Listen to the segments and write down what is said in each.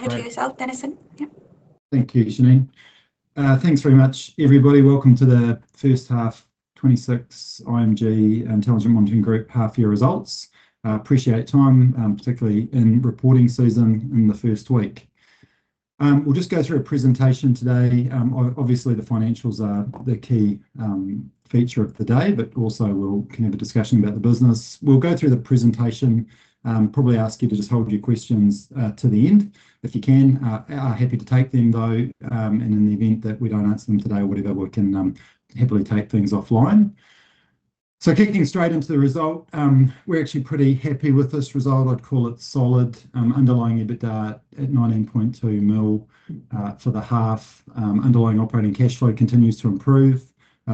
Over to yourself, Dennison. Yep. Thank you, Janine. Thanks very much, everybody. Welcome to the first half 2026 IMG, Intelligent Monitoring Group, half-year results. Appreciate your time, particularly in reporting season in the first week. We'll just go through a presentation today. Obviously, the financials are the key feature of the day, but also we'll kind of have a discussion about the business. We'll go through the presentation, probably ask you to just hold your questions to the end if you can. Happy to take them, though, and in the event that we don't answer them today or whatever, we can happily take things offline. So kicking straight into the result, we're actually pretty happy with this result. I'd call it solid. Underlying EBITDA at 19.2 million for the half. Underlying operating cash flow continues to improve.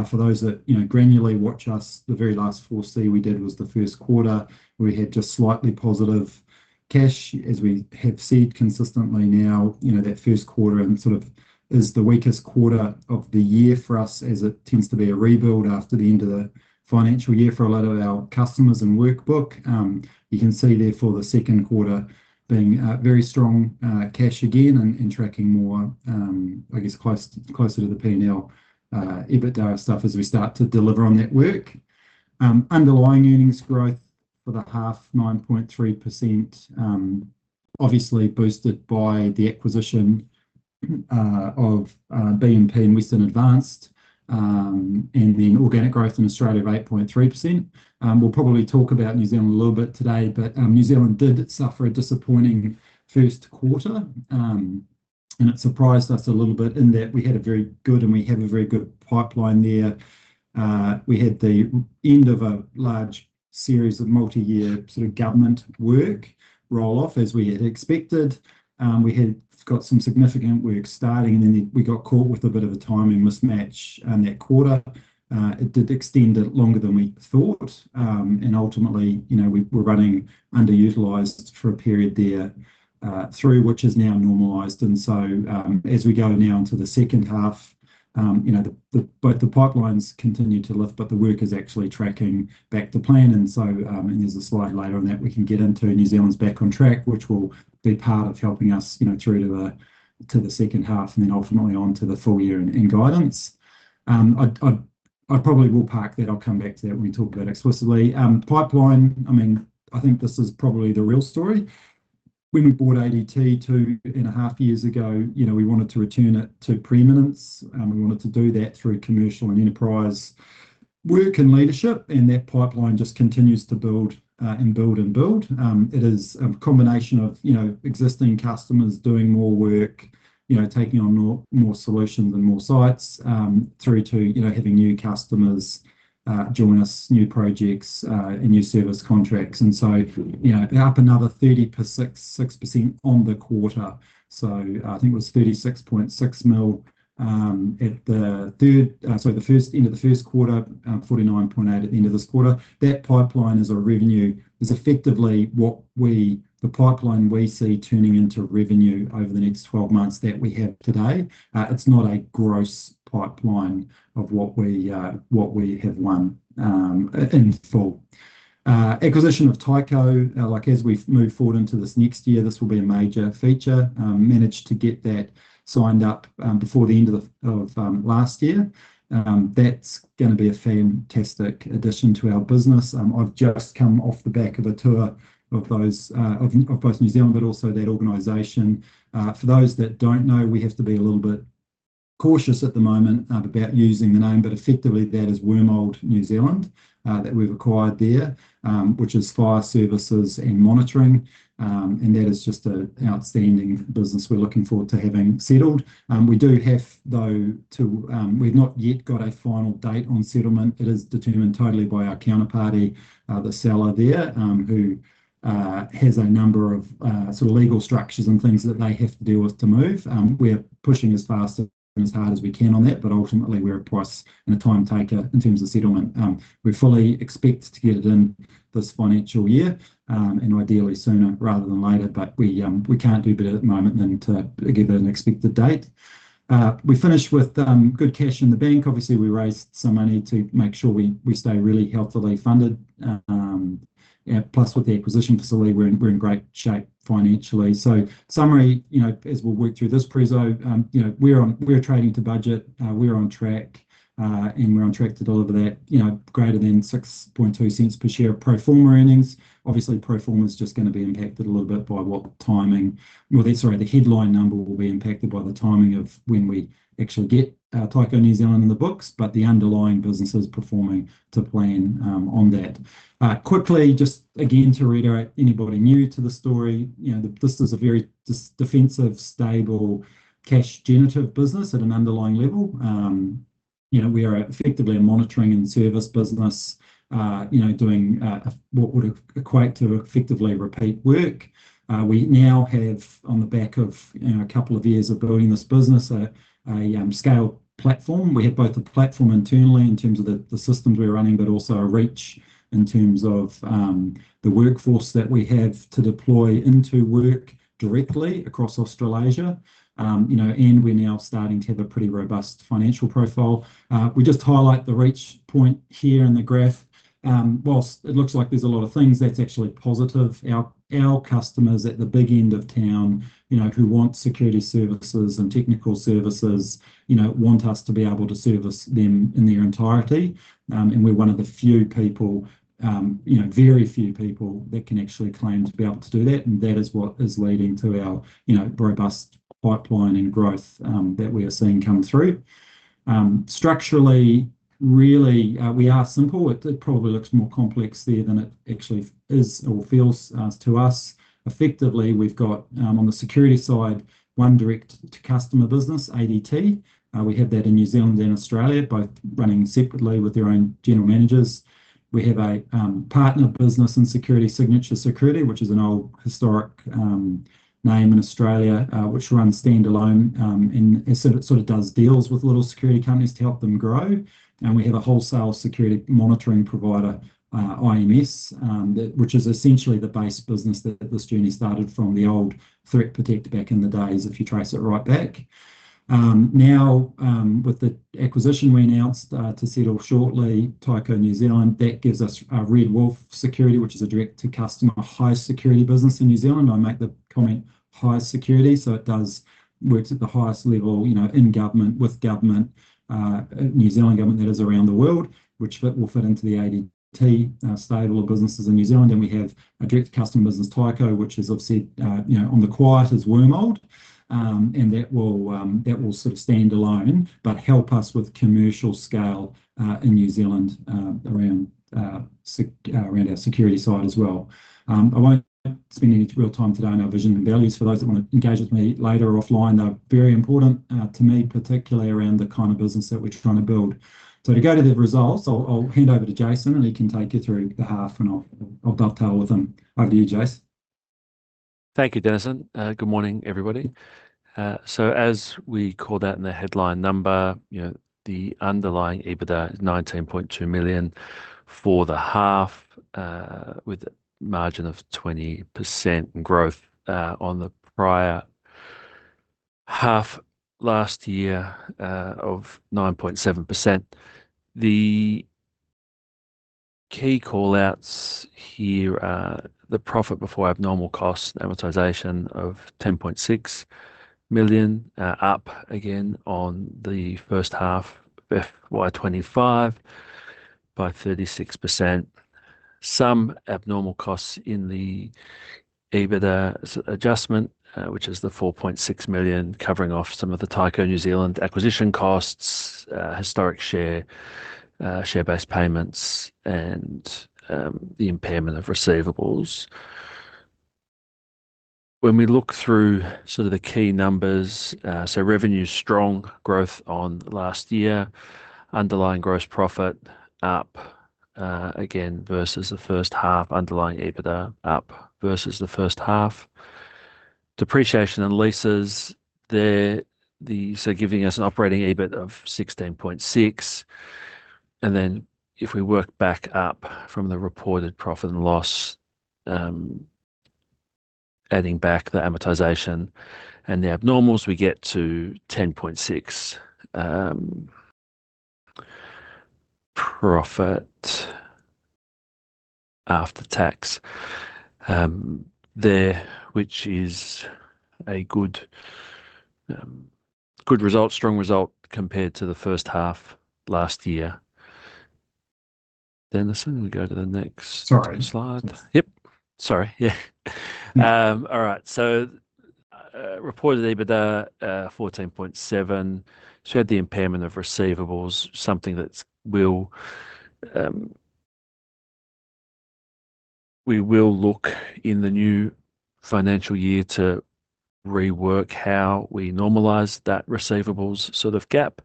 For those that, you know, granularly watch us, the very last forecast we did was the first quarter, where we had just slightly positive cash. As we have said consistently now, you know, that first quarter sort of is the weakest quarter of the year for us, as it tends to be a rebuild after the end of the financial year for a lot of our customers and workbook. You can see therefore the second quarter being very strong cash again and tracking more, I guess closer to the P&L EBITDA stuff as we start to deliver on that work. Underlying earnings growth for the half, 9.3%. Obviously boosted by the acquisition of BNP and Western Advance, and then organic growth in Australia of 8.3%. We'll probably talk about New Zealand a little bit today, but New Zealand did suffer a disappointing first quarter. And it surprised us a little bit in that we had a very good, and we have a very good pipeline there. We had the end of a large series of multi-year sort of government work roll off as we had expected. We had got some significant work starting, and then we got caught with a bit of a timing mismatch in that quarter. It did extend it longer than we thought. And ultimately, you know, we were running underutilized for a period there, through which is now normalized. And so, as we go now into the second half, you know, the both the pipelines continue to lift, but the work is actually tracking back to plan. So, there's a slide later on that we can get into. New Zealand's back on track, which will be part of helping us, you know, through to the second half, and then ultimately on to the full year and guidance. I'd probably will park that. I'll come back to that when we talk about it explicitly. Pipeline, I mean, I think this is probably the real story. When we bought ADT two and a half years ago, you know, we wanted to return it to preeminence. We wanted to do that through commercial and enterprise work and leadership, and that pipeline just continues to build and build and build. It is a combination of, you know, existing customers doing more work, you know, taking on more, more solutions and more sites, through to, you know, having new customers join us, new projects, and new service contracts. So, you know, up another 30%, 6% on the quarter. So I think it was 36.6 million at the end of the first quarter, 49.8 million at the end of this quarter. That pipeline as a revenue is effectively what we, the pipeline we see turning into revenue over the next 12 months that we have today. It's not a gross pipeline of what we, what we have won, in full. Acquisition of Tyco, like, as we move forward into this next year, this will be a major feature. Managed to get that signed up before the end of last year. That's gonna be a fantastic addition to our business. I've just come off the back of a tour of those of both New Zealand, but also that organization. For those that don't know, we have to be a little bit cautious at the moment about using the name, but effectively that is Wormald New Zealand that we've acquired there, which is fire services and monitoring. And that is just an outstanding business we're looking forward to having settled. We do have, though, we've not yet got a final date on settlement. It is determined totally by our counterparty, the seller there, who has a number of sort of legal structures and things that they have to deal with to move. We're pushing as fast and as hard as we can on that, but ultimately, we're at place and a time taker in terms of settlement. We fully expect to get it in this financial year, and ideally sooner rather than later. But we can't do better at the moment than to give an expected date. We finished with good cash in the bank. Obviously, we raised some money to make sure we stay really healthily funded. Yeah, plus, with the acquisition facility, we're in great shape financially. So summary, you know, as we'll work through this preso, you know, we're on- we're trading to budget. We're on track, and we're on track to deliver that, you know, greater than 0.062 per share of pro forma earnings. Obviously, pro forma is just gonna be impacted a little bit by what the timing - Well, sorry, the headline number will be impacted by the timing of when we actually get Tyco New Zealand on the books, but the underlying business is performing to plan on that. Quickly, just again, to reiterate, anybody new to the story, you know, this is a very just defensive, stable, cash generative business at an underlying level. You know, we are effectively a monitoring and service business, you know, doing what would equate to effectively repeat work. We now have, on the back of, you know, a couple of years of building this business, a scale platform. We have both the platform internally in terms of the systems we're running, but also a reach in terms of the workforce that we have to deploy into work directly across Australasia. You know, and we're now starting to have a pretty robust financial profile. We just highlight the reach point here in the graph. While it looks like there's a lot of things, that's actually positive. Our customers at the big end of town, you know, who want security services and technical services, you know, want us to be able to service them in their entirety. And we're one of the few people, you know, very few people that can actually claim to be able to do that, and that is what is leading to our, you know, robust pipeline and growth that we are seeing come through. Structurally, really, we are simple. It probably looks more complex there than it actually is or feels to us. Effectively, we've got on the security side, one direct-to-customer business, ADT. We have that in New Zealand and Australia, both running separately with their own general managers. We have a partner business and security, Signature Security, which is an old historic name in Australia, which runs standalone, and it sort of does deals with little security companies to help them grow. And we have a wholesale security monitoring provider, IMS, which is essentially the base business that this journey started from, the old Threat Protect back in the days, if you trace it right back. Now, with the acquisition we announced to settle shortly, Tyco New Zealand, that gives us Red Wolf Security, which is a direct-to-customer high security business in New Zealand. I make the comment high security, so it works at the highest level, you know, in government, with government, New Zealand government, that is, around the world, which will fit into the ADT stable of businesses in New Zealand. And we have a direct-to-customer business, Tyco, which is obviously, you know, on the quiet, as Wormald. And that will sort of stand alone, but help us with commercial scale in New Zealand around our security side as well. I won't spend any real time today on our vision and values. For those that wanna engage with me later or offline, they're very important to me, particularly around the kind of business that we're trying to build. So to go to the results, I'll hand over to Jason, and he can take you through the half, and I'll dovetail with him. Over to you, Jase. Thank you, Dennis. Good morning, everybody. So as we called out in the headline number, you know, the underlying EBITDA is 19.2 million for the half, with a margin of 20% and growth, on the prior half last year, of 9.7%. The key call-outs here are the profit before abnormal costs, amortization of 10.6 million, up again on the first half, FY 2025, by 36%. Some abnormal costs in the EBITDA adjustment, which is the 4.6 million, covering off some of the Tyco New Zealand acquisition costs, historic share, share-based payments, and, the impairment of receivables. When we look through sort of the key numbers, so revenue, strong growth on last year. Underlying gross profit up, again, versus the first half. Underlying EBITDA up versus the first half. Depreciation and leases, the—so giving us an operating EBIT of 16.6. And then, if we work back up from the reported profit and loss, adding back the amortization and the abnormals, we get to 10.6 profit after tax there, which is a good, good result, strong result compared to the first half last year. Dennison, I'm gonna go to the next- Sorry. Slide. Yep. Sorry, yeah. All right, so, reported EBITDA, 14.7. So we had the impairment of receivables, something that we'll look in the new financial year to rework how we normalize that receivables sort of gap.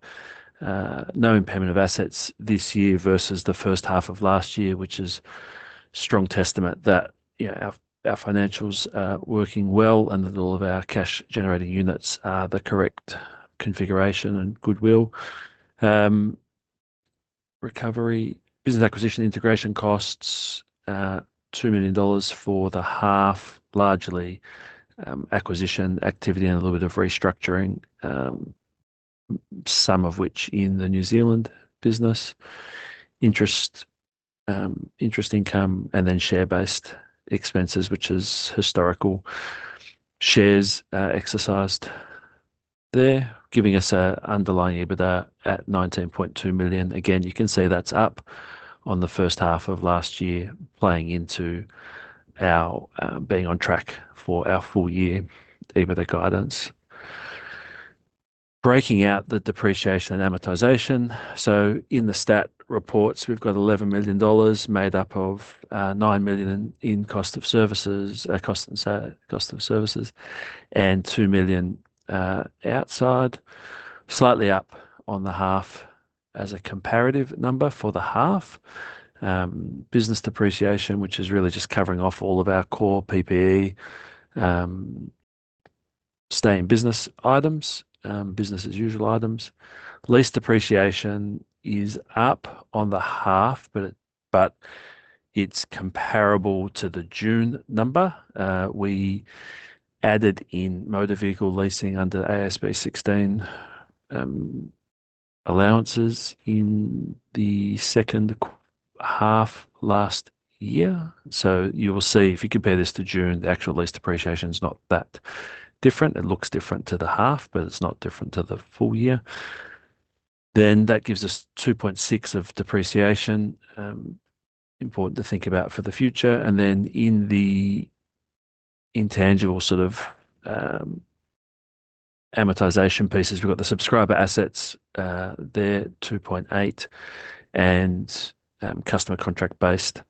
No impairment of assets this year versus the first half of last year, which is strong testament that, you know, our financials are working well, and that all of our cash-generating units are the correct configuration and goodwill. Recurring business acquisition integration costs, 2 million dollars for the half, largely, acquisition activity and a little bit of restructuring, some of which in the New Zealand business. Interest, interest income, and then share-based expenses, which is historical shares, exercised there, giving us a underlying EBITDA at 19.2 million. Again, you can see that's up on the first half of last year, playing into our being on track for our full-year EBITDA guidance. Breaking out the depreciation and amortization. So in the stat reports, we've got 11 million dollars made up of 9 million in cost of services costs and so, cost of services, and 2 million outside. Slightly up on the half as a comparative number for the half. Business depreciation, which is really just covering off all of our core PPE, staying business items, business-as-usual items. Lease depreciation is up on the half, but it's comparable to the June number. We added in motor vehicle leasing under AASB 16 allowances in the second half last year. So you will see, if you compare this to June, the actual lease depreciation is not that different. It looks different to the half, but it's not different to the full year. Then that gives us 2.6 of depreciation, important to think about for the future. And then in the intangible sort of amortization pieces, we've got the Subscriber Assets, they're 2.8, and customer contract-based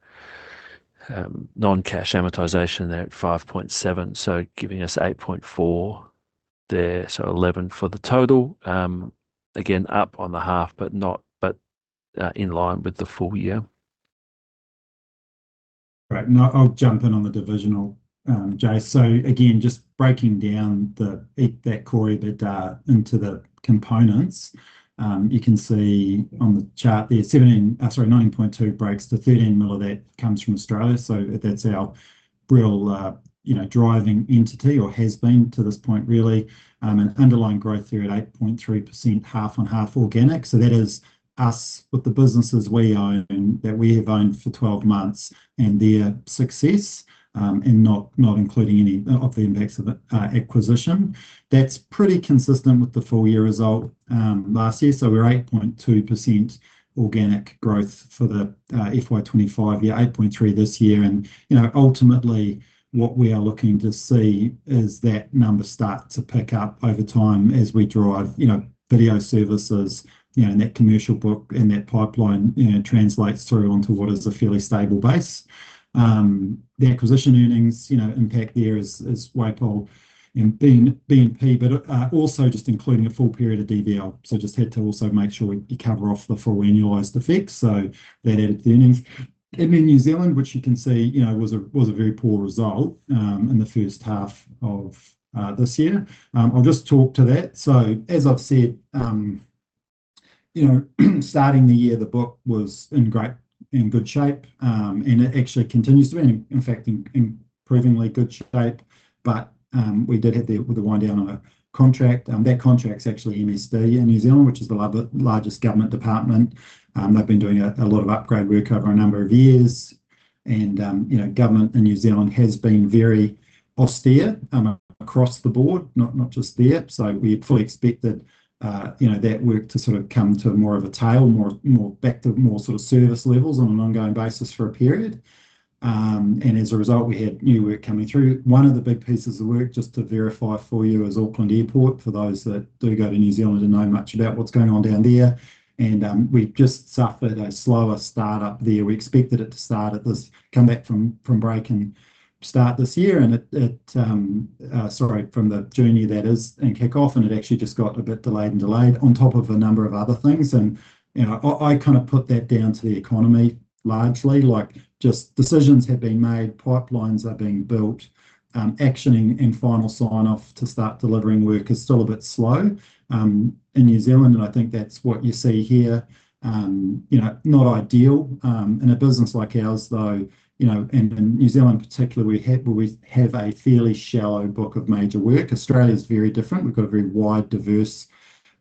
non-cash amortization, they're at 5.7, so giving us 8.4 there. So 11 for the total. Again, up on the half, but not, but in line with the full year. Right. I'll jump in on the divisional, Jase. So again, just breaking down the EBITDA quarterly, the data into the components. You can see on the chart there, seventeen, nine point two breaks to thirteen mil, that comes from Australia. So that's our real, you know, driving entity or has been to this point really. And underlying growth there at 8.3%, half on half organic. So that is us with the businesses we own and that we have owned for 12 months, and their success, and not, not including any of the impacts of the, acquisition. That's pretty consistent with the full year result, last year. So we're at 8.2% organic growth for the, FY 2025 year, 8.3% this year. You know, ultimately, what we are looking to see is that number start to pick up over time as we drive, you know, video services, you know, and that commercial book and that pipeline, you know, translates through onto what is a fairly stable base. The acquisition earnings, you know, impact there is Wormald and BNP, but also just including a full period of DVL. So just had to also make sure we cover off the full annualized effects, so that added the earnings. And then New Zealand, which you can see, you know, was a very poor result in the first half of this year. I'll just talk to that. So as I've said, you know, starting the year, the book was in great, in good shape, and it actually continues to be, and in fact, in provenly good shape. But we did hit the, with the wind down on a contract, and that contract is actually MSD in New Zealand, which is the largest government department. They've been doing a lot of upgrade work over a number of years, and you know, government in New Zealand has been very austere across the board, not just there. So we fully expected, you know, that work to sort of come to more of a tail, more back to more sort of service levels on an ongoing basis for a period. And as a result, we had new work coming through. One of the big pieces of work, just to verify for you, is Auckland Airport, for those that do go to New Zealand and know much about what's going on down there. We've just suffered a slower start-up there. We expected it to start at this, come back from, from break and start this year, and it, sorry, from the journey that is and kick off, and it actually just got a bit delayed and delayed on top of a number of other things. You know, I kind of put that down to the economy, largely, like just decisions have been made, pipelines are being built, actioning and final sign-off to start delivering work is still a bit slow, in New Zealand, and I think that's what you see here. You know, not ideal. In a business like ours, though, you know, and in New Zealand particularly, we have, we have a fairly shallow book of major work. Australia is very different. We've got a very wide, diverse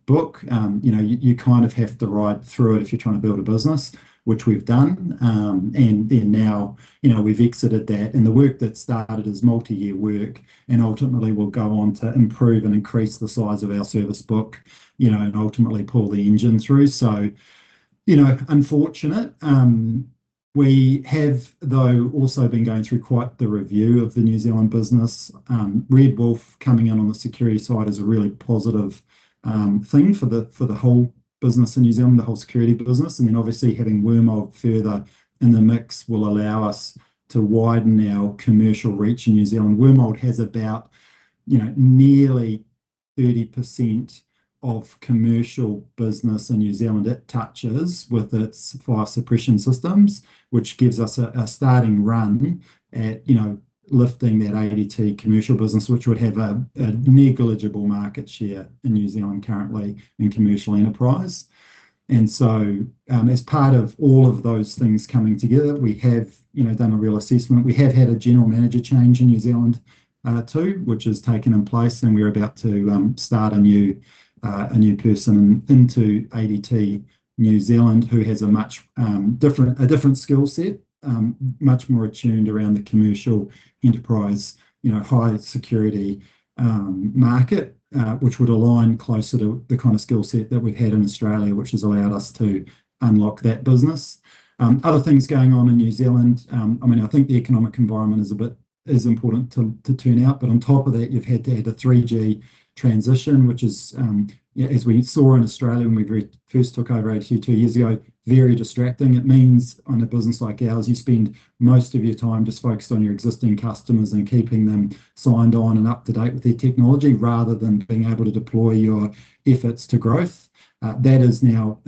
book. You know, you kind of have to ride through it if you're trying to build a business, which we've done. And then now, you know, we've exited that, and the work that started as multi-year work, and ultimately will go on to improve and increase the size of our service book, you know, and ultimately pull the engine through. So, you know, unfortunate. We have, though, also been going through quite the review of the New Zealand business. Red Wolf coming in on the security side is a really positive thing for the whole business in New Zealand, the whole security business. And then obviously, having Wormald further in the mix will allow us to widen our commercial reach in New Zealand. Wormald has about, you know, nearly 30% of commercial business in New Zealand. It touches with its fire suppression systems, which gives us a, a starting run at, you know, lifting that ADT commercial business, which would have a, a negligible market share in New Zealand currently in commercial enterprise. And so, as part of all of those things coming together, we have, you know, done a real assessment. We have had a general manager change in New Zealand, too, which has taken place, and we're about to start a new person into ADT New Zealand, who has a much different skill set, much more attuned around the commercial enterprise, you know, high security market, which would align closer to the kind of skill set that we've had in Australia, which has allowed us to unlock that business. Other things going on in New Zealand, I mean, I think the economic environment is a bit important to tune out, but on top of that, you've had to add a 3G transition, which is, yeah, as we saw in Australia when we very first took over ADT two years ago, very distracting. It means on a business like ours, you spend most of your time just focused on your existing customers and keeping them signed on and up to date with their technology, rather than being able to deploy your efforts to growth. That is now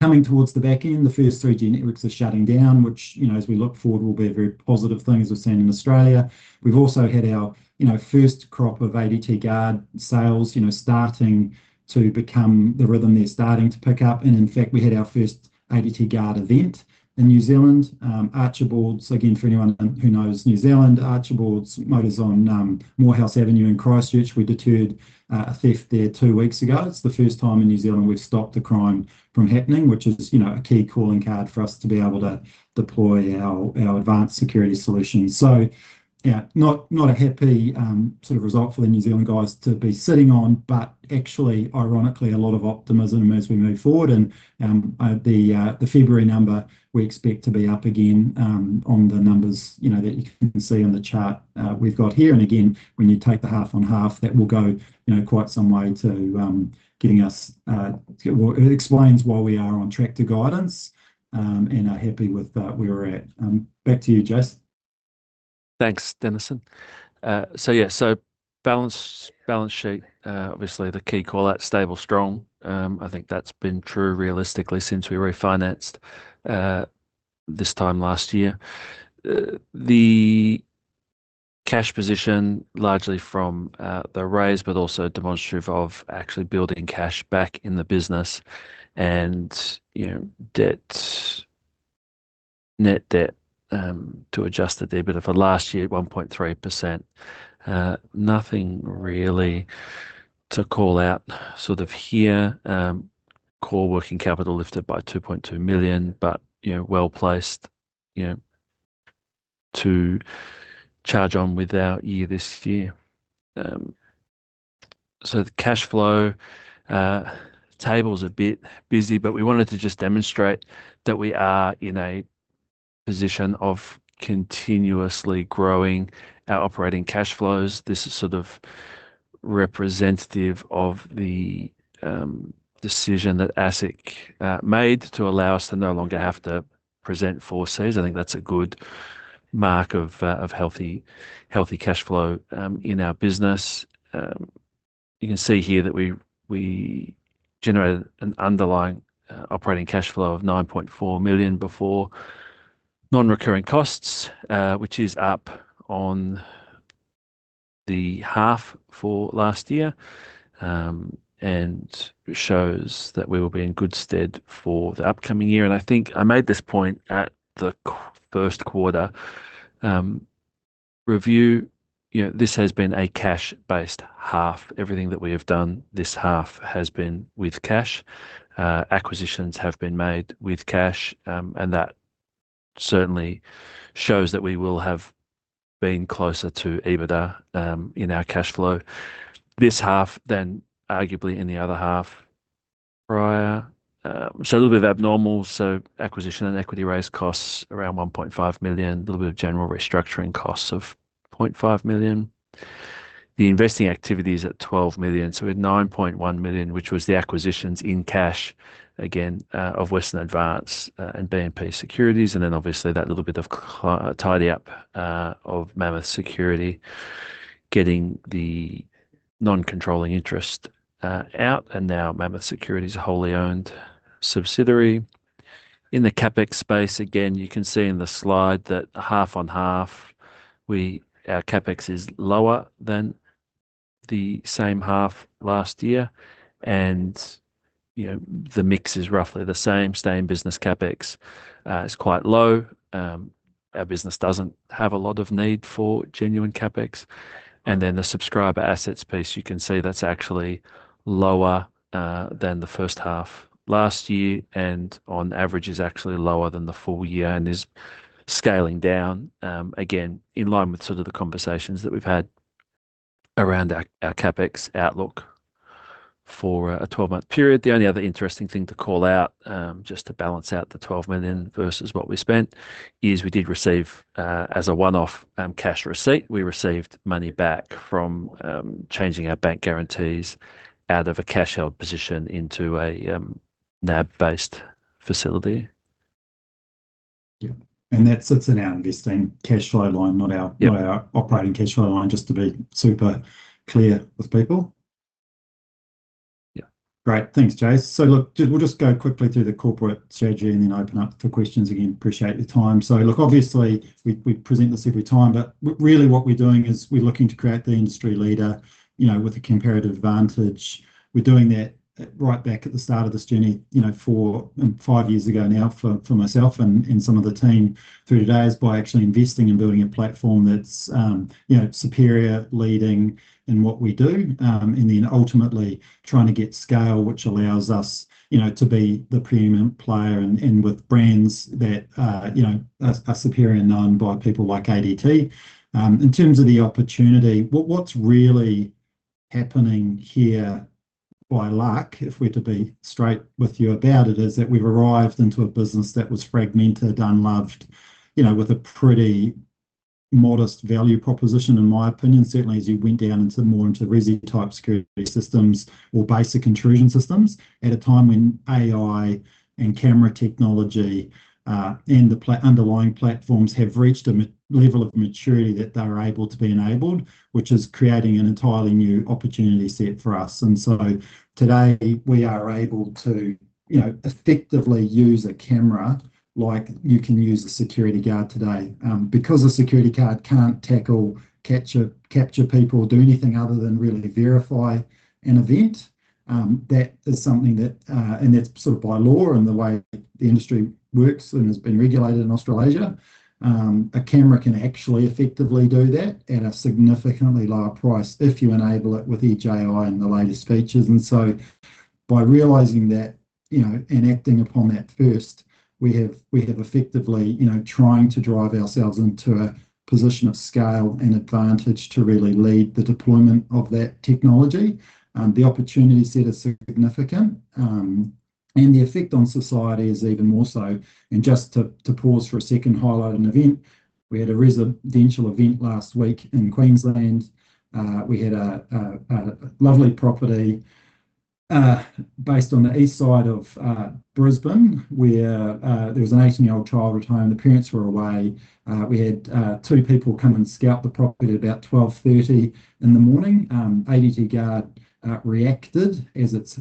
coming towards the back end. The first 3G networks are shutting down, which, you know, as we look forward, will be a very positive thing, as we've seen in Australia. We've also had our, you know, first crop of ADT Guard sales, you know, starting to become the rhythm. They're starting to pick up, and in fact, we had our first ADT Guard event in New Zealand. Archibalds, again, for anyone who knows New Zealand, Archibalds Motors on Moorhouse Avenue in Christchurch. We deterred a theft there two weeks ago. It's the first time in New Zealand we've stopped a crime from happening, which is, you know, a key calling card for us to be able to deploy our advanced security solutions. So, yeah, not a happy sort of result for the New Zealand guys to be sitting on, but actually, ironically, a lot of optimism as we move forward. The February number, we expect to be up again on the numbers, you know, that you can see on the chart we've got here. And again, when you take the half on half, that will go, you know, quite some way to getting us well, it explains why we are on track to guidance and are happy with where we're at. Back to you, Jase. Thanks, Dennison. So yeah, so balance sheet, obviously the key call that stable, strong. I think that's been true realistically since we refinanced, this time last year. The cash position, largely from, the raise, but also demonstrative of actually building cash back in the business and, you know, debt, net debt, to Adjusted EBITDA of the last year at 1.3x. Nothing really to call out sort of here. Core working capital lifted by 2.2 million, but, you know, well-placed, you know, to charge on with our year this year. So the cash flow, table's a bit busy, but we wanted to just demonstrate that we are in a position of continuously growing our operating cash flows. This is sort of representative of the decision that ASIC made to allow us to no longer have to present forecasts. I think that's a good mark of healthy cash flow in our business. You can see here that we generated an underlying operating cash flow of 9.4 million before non-recurring costs, which is up on the half for last year. And it shows that we will be in good stead for the upcoming year. I think I made this point at the first quarter review. You know, this has been a cash-based half. Everything that we have done this half has been with cash. Acquisitions have been made with cash, and that certainly shows that we will have been closer to EBITDA in our cash flow this half than arguably in the other half prior. So a little bit of abnormal. So acquisition and equity raise costs around 1.5 million. A little bit of general restructuring costs of 0.5 million. The investing activities at 12 million, so we had 9.1 million, which was the acquisitions in cash again, of Western Advance and BNP Securities, and then obviously that little bit of tidy up of Mammoth Security, getting the non-controlling interest out. And now Mammoth Security is a wholly owned subsidiary. In the CapEx space, again, you can see in the slide that half on half, our CapEx is lower than the same half last year, and, you know, the mix is roughly the same. Stay in business CapEx is quite low. Our business doesn't have a lot of need for genuine CapEx. And then the subscriber assets piece, you can see that's actually lower than the first half last year, and on average is actually lower than the full year and is scaling down, again, in line with sort of the conversations that we've had around our CapEx outlook for a 12-month period. The only other interesting thing to call out, just to balance out the 12 million versus what we spent, is we did receive as a one-off cash receipt. We received money back from changing our bank guarantees out of a cash-out position into a NAB-based facility. Yeah. And that's in our investing cash flow line, not our- Yeah. Our operating cash flow line, just to be super clear with people. Yeah. Great. Thanks, Jase. So look, we'll just go quickly through the corporate strategy and then open up for questions again. Appreciate your time. So look, obviously, we present this every time, but really, what we're doing is we're looking to create the industry leader, you know, with a comparative advantage. We're doing that right back at the start of this journey, you know, four, five years ago now, for myself and some of the team through today, is by actually investing in building a platform that's, you know, superior, leading in what we do. And then ultimately trying to get scale, which allows us, you know, to be the premium player and with brands that, you know, are superior and known by people like ADT. In terms of the opportunity, what's really happening here by luck, if we're to be straight with you about it, is that we've arrived into a business that was fragmented, unloved, you know, with a pretty modest value proposition, in my opinion. Certainly, as you went down into more into resi-type security systems or basic intrusion systems, at a time when AI and camera technology and the underlying platforms have reached a level of maturity that they are able to be enabled, which is creating an entirely new opportunity set for us. And so today, we are able to, you know, effectively use a camera like you can use a security guard today. Because a security guard can't tackle, capture, capture people or do anything other than really verify an event, that is something that. That's sort of by law and the way the industry works and has been regulated in Australasia. A camera can actually effectively do that at a significantly lower price if you enable it with Edge AI and the latest features. And so by realizing that, you know, and acting upon that first, we have effectively, you know, trying to drive ourselves into a position of scale and advantage to really lead the deployment of that technology. The opportunity set is significant, and the effect on society is even more so. And just to pause for a second and highlight an event. We had a residential event last week in Queensland. We had a lovely property based on the east side of Brisbane, where there was an 18-year-old child at home. The parents were away. We had two people come and scout the property at about 12:30 A.M. ADT Guard reacted as it's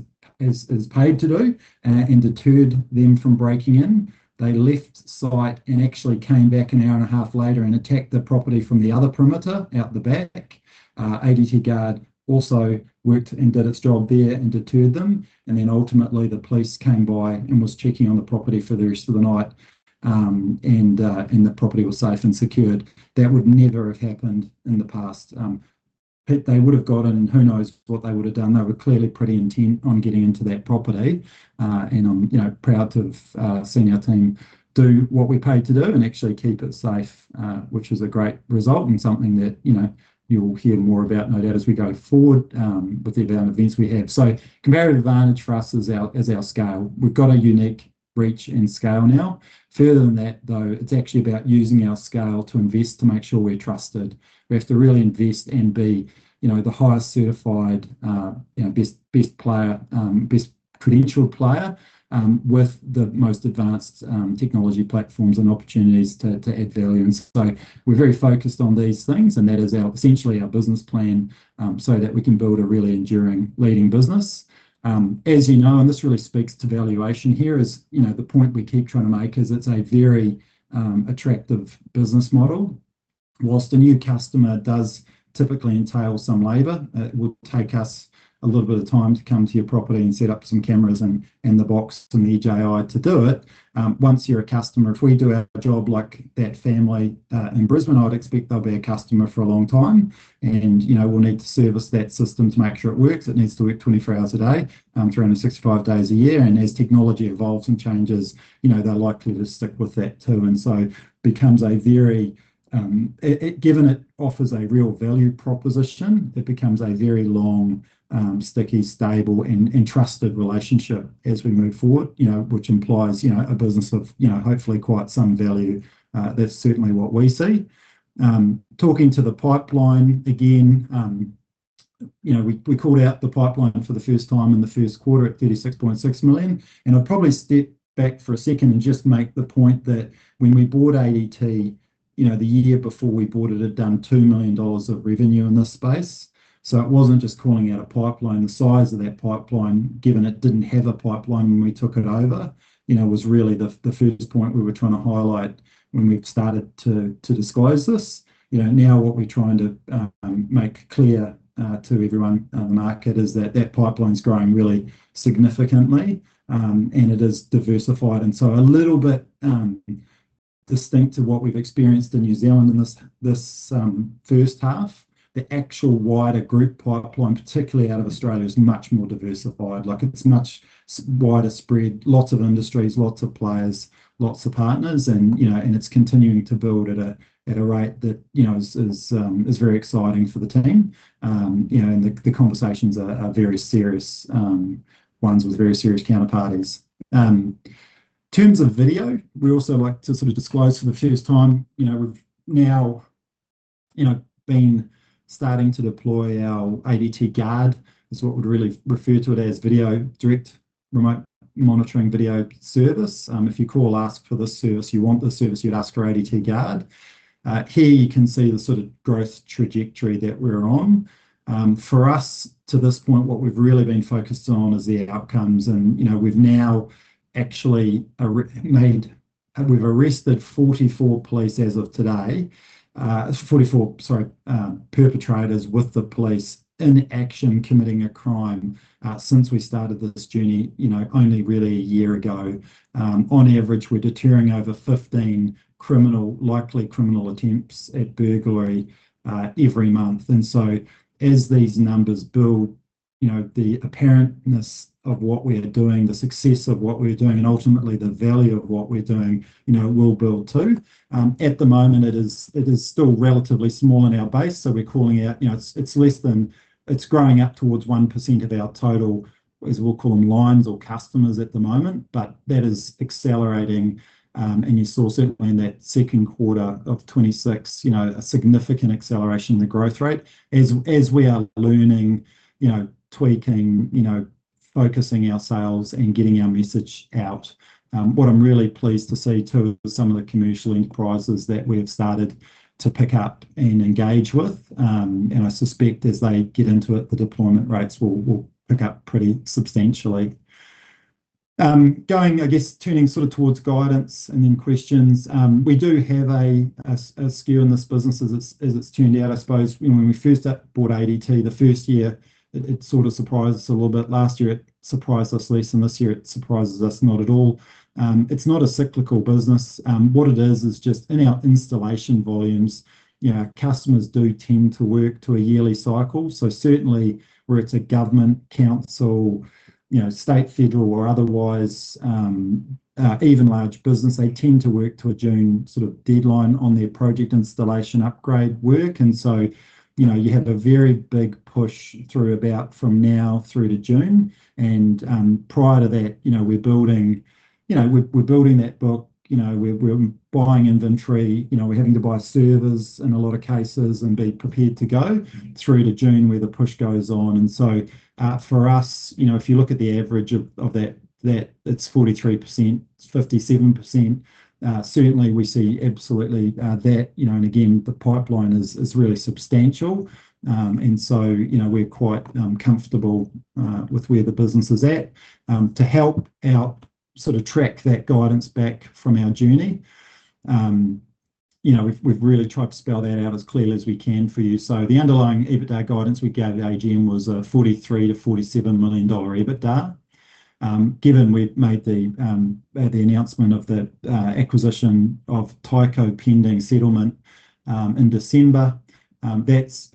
paid to do and deterred them from breaking in. They left site and actually came back an hour and a half later and attacked the property from the other perimeter, out the back. ADT Guard also worked and did its job there and deterred them, and then ultimately the police came by and was checking on the property for the rest of the night. The property was safe and secured. That would never have happened in the past. They would have got in, and who knows what they would have done? They were clearly pretty intent on getting into that property. I'm, you know, proud to have seen our team do what we paid to do and actually keep it safe, which is a great result and something that, you know, you'll hear more about, no doubt, as we go forward, with the events we have. So comparative advantage for us is our, is our scale. We've got a unique reach and scale now. Further than that, though, it's actually about using our scale to invest to make sure we're trusted. We have to really invest and be, you know, the highest certified, you know, best, best player, best credentialed player, with the most advanced, technology platforms and opportunities to, to add value. And so we're very focused on these things, and that is our essentially our business plan, so that we can build a really enduring leading business. As you know, and this really speaks to valuation here, is you know, the point we keep trying to make is it's a very attractive business model. While a new customer does typically entail some labor, it would take us a little bit of time to come to your property and set up some cameras and, and the box and the AI to do it. Once you're a customer, if we do our job like that family in Brisbane, I'd expect they'll be a customer for a long time. And, you know, we'll need to service that system to make sure it works. It needs to work 24 hours a day, 365 days a year, and as technology evolves and changes, you know, they're likely to stick with that too. So it becomes a very, given it offers a real value proposition, it becomes a very long, sticky, stable and trusted relationship as we move forward, you know, which implies, you know, a business of, you know, hopefully quite some value. That's certainly what we see. Talking to the pipeline again, you know, we called out the pipeline for the first time in the first quarter at 36.6 million. I'll probably step back for a second and just make the point that when we bought ADT, you know, the year before we bought it, it had done 2 million dollars of revenue in this space. So it wasn't just calling out a pipeline. The size of that pipeline, given it didn't have a pipeline when we took it over, you know, was really the first point we were trying to highlight when we started to disclose this. You know, now what we're trying to make clear to everyone on the market is that that pipeline's growing really significantly, and it is diversified. And so a little bit distinct to what we've experienced in New Zealand in this first half, the actual wider group pipeline, particularly out of Australia, is much more diversified. Like, it's much wider spread, lots of industries, lots of players, lots of partners, and, you know, and it's continuing to build at a rate that, you know, is very exciting for the team. You know, and the conversations are very serious ones with very serious counterparties. In terms of video, we also like to sort of disclose for the first time, you know, we've now, you know, been starting to deploy our ADT Guard. It's what we'd really refer to it as video, direct remote monitoring video service. If you call, ask for this service, you want this service, you'd ask for ADT Guard. Here you can see the sort of growth trajectory that we're on. For us, to this point, what we've really been focused on is the outcomes. And, you know, we've now actually made. We've arrested 44 perpetrators with the police in action, committing a crime, since we started this journey, you know, only really a year ago. On average, we're deterring over 15 criminal, likely criminal attempts at burglary every month. And so as these numbers build, you know, the apparent-ness of what we are doing, the success of what we're doing, and ultimately the value of what we're doing, you know, will build too. At the moment, it is still relatively small in our base, so we're calling out, you know, it's less than, it's growing up towards 1% of our total, as we'll call them, lines or customers at the moment, but that is accelerating. And you saw certainly in that second quarter of 2026, you know, a significant acceleration in the growth rate. As we are learning, you know, tweaking, you know, focusing our sales, and getting our message out. What I'm really pleased to see, too, are some of the commercial inquiries that we have started to pick up and engage with. And I suspect as they get into it, the deployment rates will, will pick up pretty substantially. Going, I guess, turning sort of towards guidance and then questions. We do have a, a skew in this business as it's, as it's turned out, I suppose. You know, when we first bought ADT, the first year, it, it sort of surprised us a little bit. Last year, it surprised us less, and this year it surprises us not at all. It's not a cyclical business. What it is, is just in our installation volumes, you know, customers do tend to work to a yearly cycle. So certainly where it's a government, council, you know, state, federal, or otherwise, even large business, they tend to work to a June sort of deadline on their project installation, upgrade work. And so, you know, you have a very big push through about from now through to June. And, prior to that, you know, we're building, you know, we're, we're building that book. You know, we're, we're buying inventory. You know, we're having to buy servers in a lot of cases and be prepared to go through to June, where the push goes on. And so, for us, you know, if you look at the average of that, it's 43%, it's 57%. Certainly, we see absolutely that, you know, and again, the pipeline is really substantial. So, you know, we're quite comfortable with where the business is at. To help our sort of track that guidance back from our journey, you know, we've really tried to spell that out as clearly as we can for you. So the underlying EBITDA guidance we gave at the AGM was 43 million-47 million dollar EBITDA. Given we've made the announcement of the acquisition of Tyco, pending settlement, in December, that's,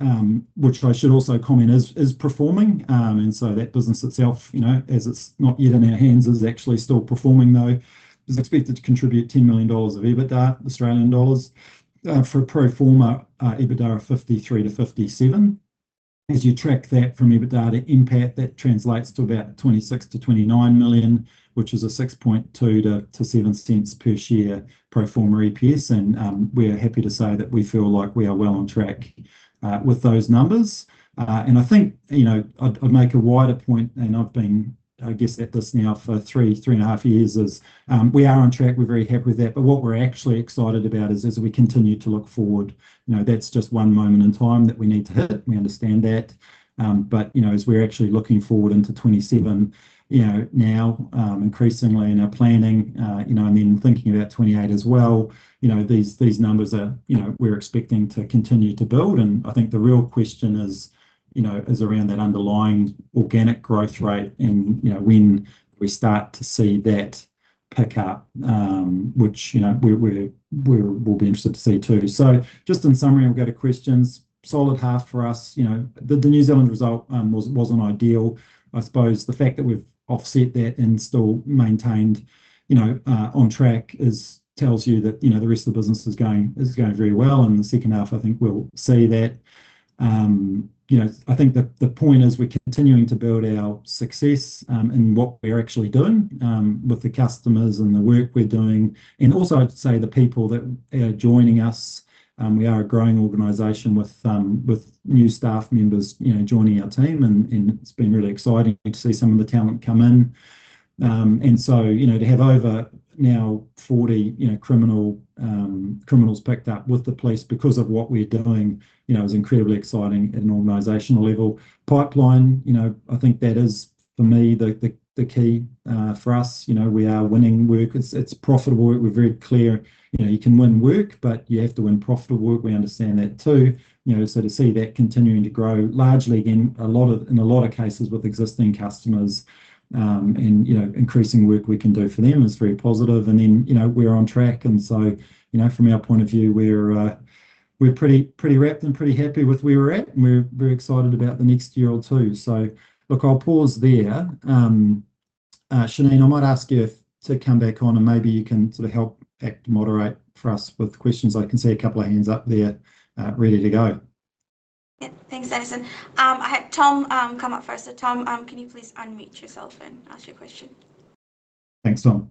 which I should also comment, is performing. So that business itself, you know, as it's not yet in our hands, is actually still performing, though. It's expected to contribute 10 million dollars of EBITDA, Australian dollars, for a pro forma EBITDA of 53 million-57 million. As you track that from EBITDA to NPAT, that translates to about 26 million-29 million, which is a 0.062-0.07 per share pro forma EPS. And we are happy to say that we feel like we are well on track with those numbers. And I think, you know, I'd make a wider point, and I've been, I guess, at this now for three, three and a half years, is we are on track. We're very happy with that. But what we're actually excited about is as we continue to look forward, you know, that's just one moment in time that we need to hit. We understand that. But, you know, as we're actually looking forward into 2027, you know, now, increasingly in our planning, you know, and then thinking about 2028 as well, you know, these, these numbers are—you know, we're expecting to continue to build. And I think the real question is, you know, is around that underlying organic growth rate and, you know, when we start to see that pick up, which, you know, we're, we're—we're, we'll be interested to see too. So just in summary, we'll go to questions. Solid half for us. You know, the, the New Zealand result, wasn't, wasn't ideal. I suppose the fact that we've offset that and still maintained, you know, on track is—tells you that, you know, the rest of the business is going, is going very well. And in the second half, I think we'll see that. You know, I think the point is we're continuing to build our success in what we're actually doing with the customers and the work we're doing. And also, I'd say the people that are joining us, we are a growing organization with new staff members, you know, joining our team, and it's been really exciting to see some of the talent come in. And so, you know, to have over now 40, you know, criminals backed up with the police because of what we're doing, you know, is incredibly exciting at an organizational level. Pipeline, you know, I think that is, for me, the key for us. You know, we are winning work. It's profitable. We're very clear, you know, you can win work, but you have to win profitable work. We understand that, too. You know, so to see that continuing to grow, largely in a lot of, in a lot of cases with existing customers, and, you know, increasing work we can do for them is very positive. And then, you know, we're on track, and so, you know, from our point of view, we're, we're pretty, pretty wrapped and pretty happy with where we're at, and we're very excited about the next year or two. So look, I'll pause there. Janine, I might ask you to come back on, and maybe you can sort of help act, moderate for us with questions. I can see a couple of hands up there, ready to go. Yeah. Thanks, Dennison. I had Tom come up first. So Tom, can you please unmute yourself and ask your question? Thanks, Tom.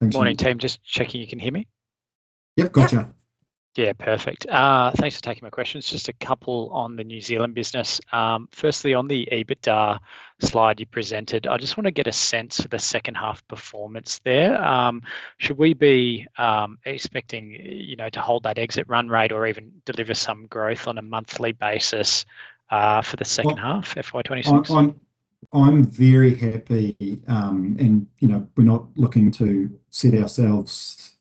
Thanks. Morning, team. Just checking you can hear me. Yep, gotcha. Yeah. Yeah, perfect. Thanks for taking my questions. Just a couple on the New Zealand business. Firstly, on the EBITDA slide you presented, I just want to get a sense for the second half performance there. Should we be expecting, you know, to hold that exit run rate or even deliver some growth on a monthly basis, for the second half FY 2026? I'm very happy, and, you know, we're not looking to set ourselves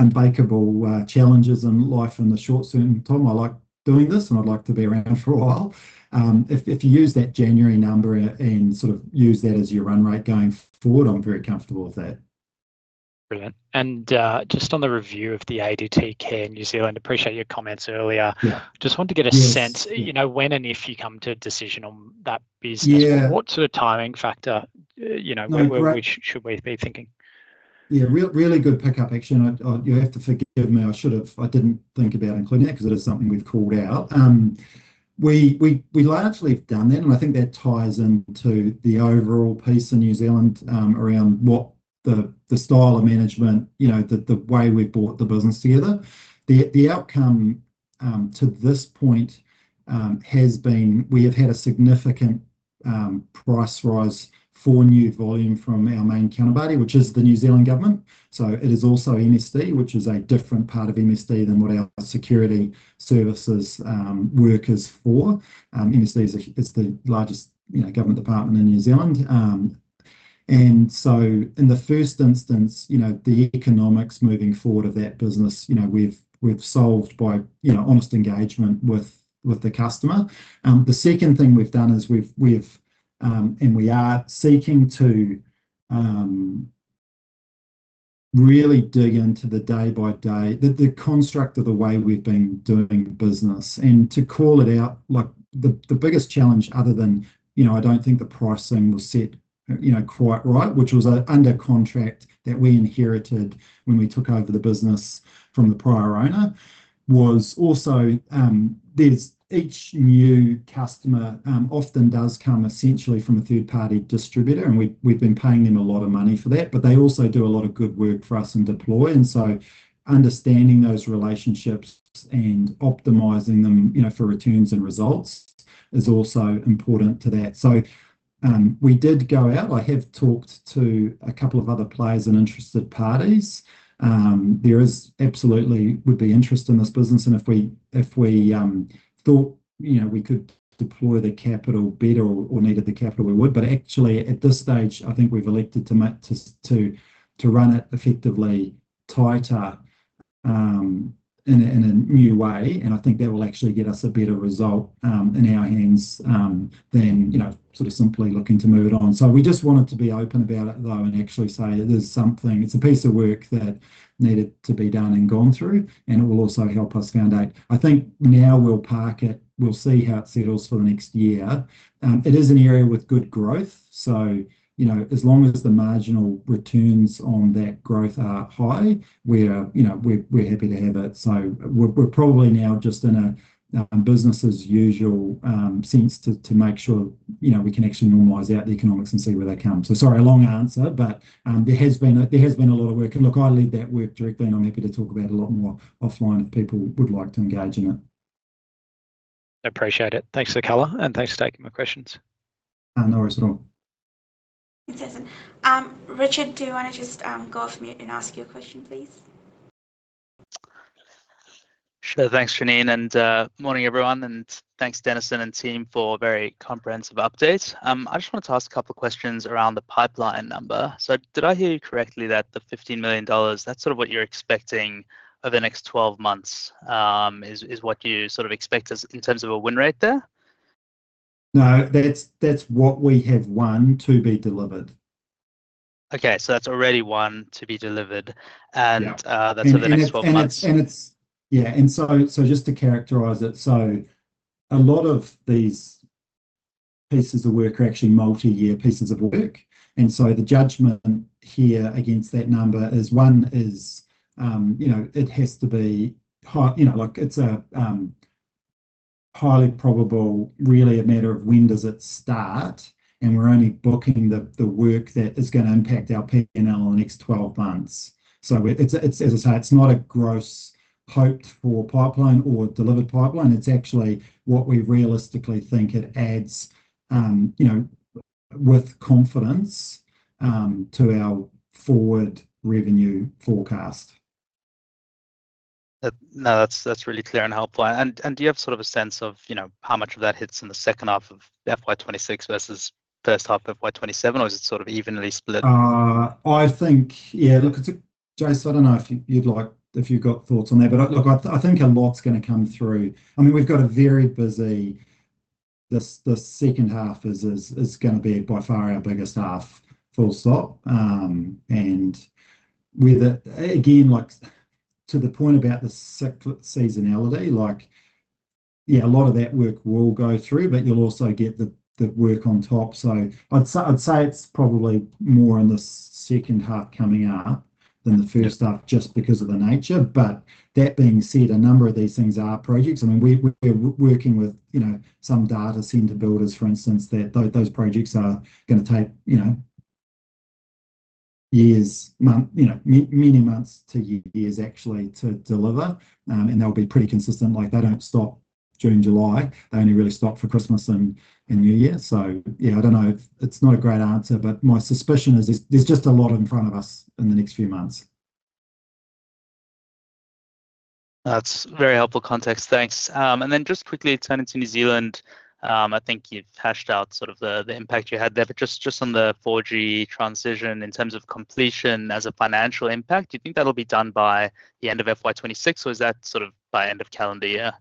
unbreakable challenges in life in the short term. Tom, I like doing this, and I'd like to be around for a while. If you use that January number and sort of use that as your run rate going forward, I'm very comfortable with that. Brilliant. Just on the review of the ADT Care in New Zealand, appreciate your comments earlier. Yeah. Just want to get a sense you know, when and if you come to a decision on that business- Yeah. What sort of timing factor, you know- No, great. Which should we be thinking? Yeah, really good pick-up, actually. And I, you have to forgive me, I should have. I didn't think about including that, because it is something we've called out. We largely have done that, and I think that ties into the overall piece in New Zealand around what the style of management, you know, the way we've brought the business together. The outcome to this point has been we have had a significant price rise for new volume from our main counterparty, which is the New Zealand Government. So it is also MSD, which is a different part of MSD than what our security services work is for. MSD is the largest, you know, government department in New Zealand. And so in the first instance, you know, the economics moving forward of that business, you know, we've solved by, you know, honest engagement with the customer. The second thing we've done is we've and we are seeking to really dig into the day-by-day, the construct of the way we've been doing business. And to call it out, like the biggest challenge other than, you know, I don't think the pricing was set, you know, quite right, which was under contract that we inherited when we took over the business from the prior owner, was also, each new customer often does come essentially from a third-party distributor, and we've been paying them a lot of money for that, but they also do a lot of good work for us in deploy. Understanding those relationships and optimizing them, you know, for returns and results is also important to that. We did go out. I have talked to a couple of other players and interested parties. There absolutely would be interest in this business, and if we thought, you know, we could deploy the capital better or needed the capital, we would. Actually, at this stage, I think we've elected to run it effectively tighter in a new way, and I think that will actually get us a better result in our hands than, you know, sort of simply looking to move it on. So we just wanted to be open about it though, and actually say that there's something—it's a piece of work that needed to be done and gone through, and it will also help us go down. I think now we'll park it. We'll see how it settles for the next year. It is an area with good growth, so, you know, as long as the marginal returns on that growth are high, we're, you know, we're, we're happy to have it. So we're, we're probably now just in a business-as-usual sense to make sure, you know, we can actually normalize out the economics and see where they come. So sorry, a long answer, but there has been a, there has been a lot of work. Look, I lead that work directly, and I'm happy to talk about a lot more offline if people would like to engage in it. I appreciate it. Thanks for the color, and thanks for taking my questions. No worries at all. Fantastic. Richard, do you want to just go off mute and ask your question, please? Sure. Thanks, Janine, and morning, everyone, and thanks, Dennison and team, for a very comprehensive update. I just wanted to ask a couple of questions around the pipeline number. So did I hear you correctly, that the 15 million dollars, that's sort of what you're expecting over the next 12 months, is, is what you sort of expect as in terms of a win rate there? No, that's, that's what we have one to be delivered. Okay, so that's already one to be delivered and, that's over the next 12 months. And it's yeah. So just to characterize it, a lot of these pieces of work are actually multi-year pieces of work, and so the judgment here against that number is, one is, you know, it has to be high. You know, like, it's a highly probable, really a matter of when does it start, and we're only booking the work that is going to impact our P&L in the next 12 months. So it's as I say, it's not a gross hoped-for pipeline or delivered pipeline. It's actually what we realistically think it adds, you know, with confidence, to our forward revenue forecast. No, that's really clear and helpful. And do you have sort of a sense of, you know, how much of that hits in the second half of FY 2026 versus first half of FY 2027, or is it sort of evenly split? I think, yeah. Look, Jason, I don't know if you'd like if you've got thoughts on that, but look, I think a lot's going to come through. I mean, we've got a very busy. This, the second half is going to be by far our biggest half, full stop. And with it, again, like, to the point about the seasonality, like, yeah, a lot of that work will go through, but you'll also get the work on top. So I'd say it's probably more in the second half coming up than the first half just because of the nature. But that being said, a number of these things are projects. I mean, we're working with, you know, some data center builders, for instance, that those projects are going to take, you know, years, many months to years, actually, to deliver. And they'll be pretty consistent, like, they don't stop June, July. They only really stop for Christmas and New Year. So, yeah, I don't know. It's not a great answer, but my suspicion is there's just a lot in front of us in the next few months. That's very helpful context. Thanks. And then just quickly turning to New Zealand, I think you've hashed out sort of the impact you had there, but just on the 4G transition in terms of completion as a financial impact, do you think that'll be done by the end of FY 2026, or is that sort of by end of calendar year?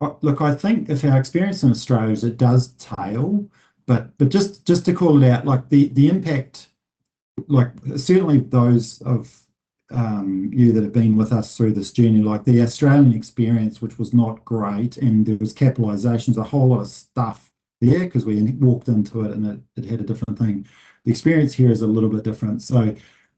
Well, look, I think if our experience in Australia is it does tail, but just to call it out, like the impact, like certainly those of you that have been with us through this journey, like the Australian experience, which was not great, and there was capitalizations, a whole lot of stuff there because we walked into it, and it had a different thing. The experience here is a little bit different. So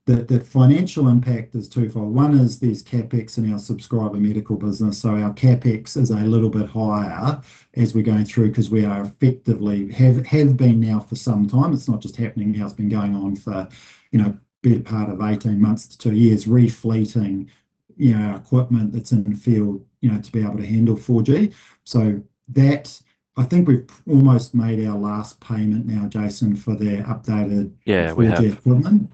the financial impact is two-fold. One is there's CapEx in our subscriber medical business, so our CapEx is a little bit higher as we're going through because we are effectively have been now for some time, it's not just happening now, it's been going on for, you know, been a part of 18 months to two years, reflecting, you know, our equipment that's in the field, you know, to be able to handle 4G. So that, I think we've almost made our last payment now, Jason, for the updated- Yeah, we have. 4G equipment.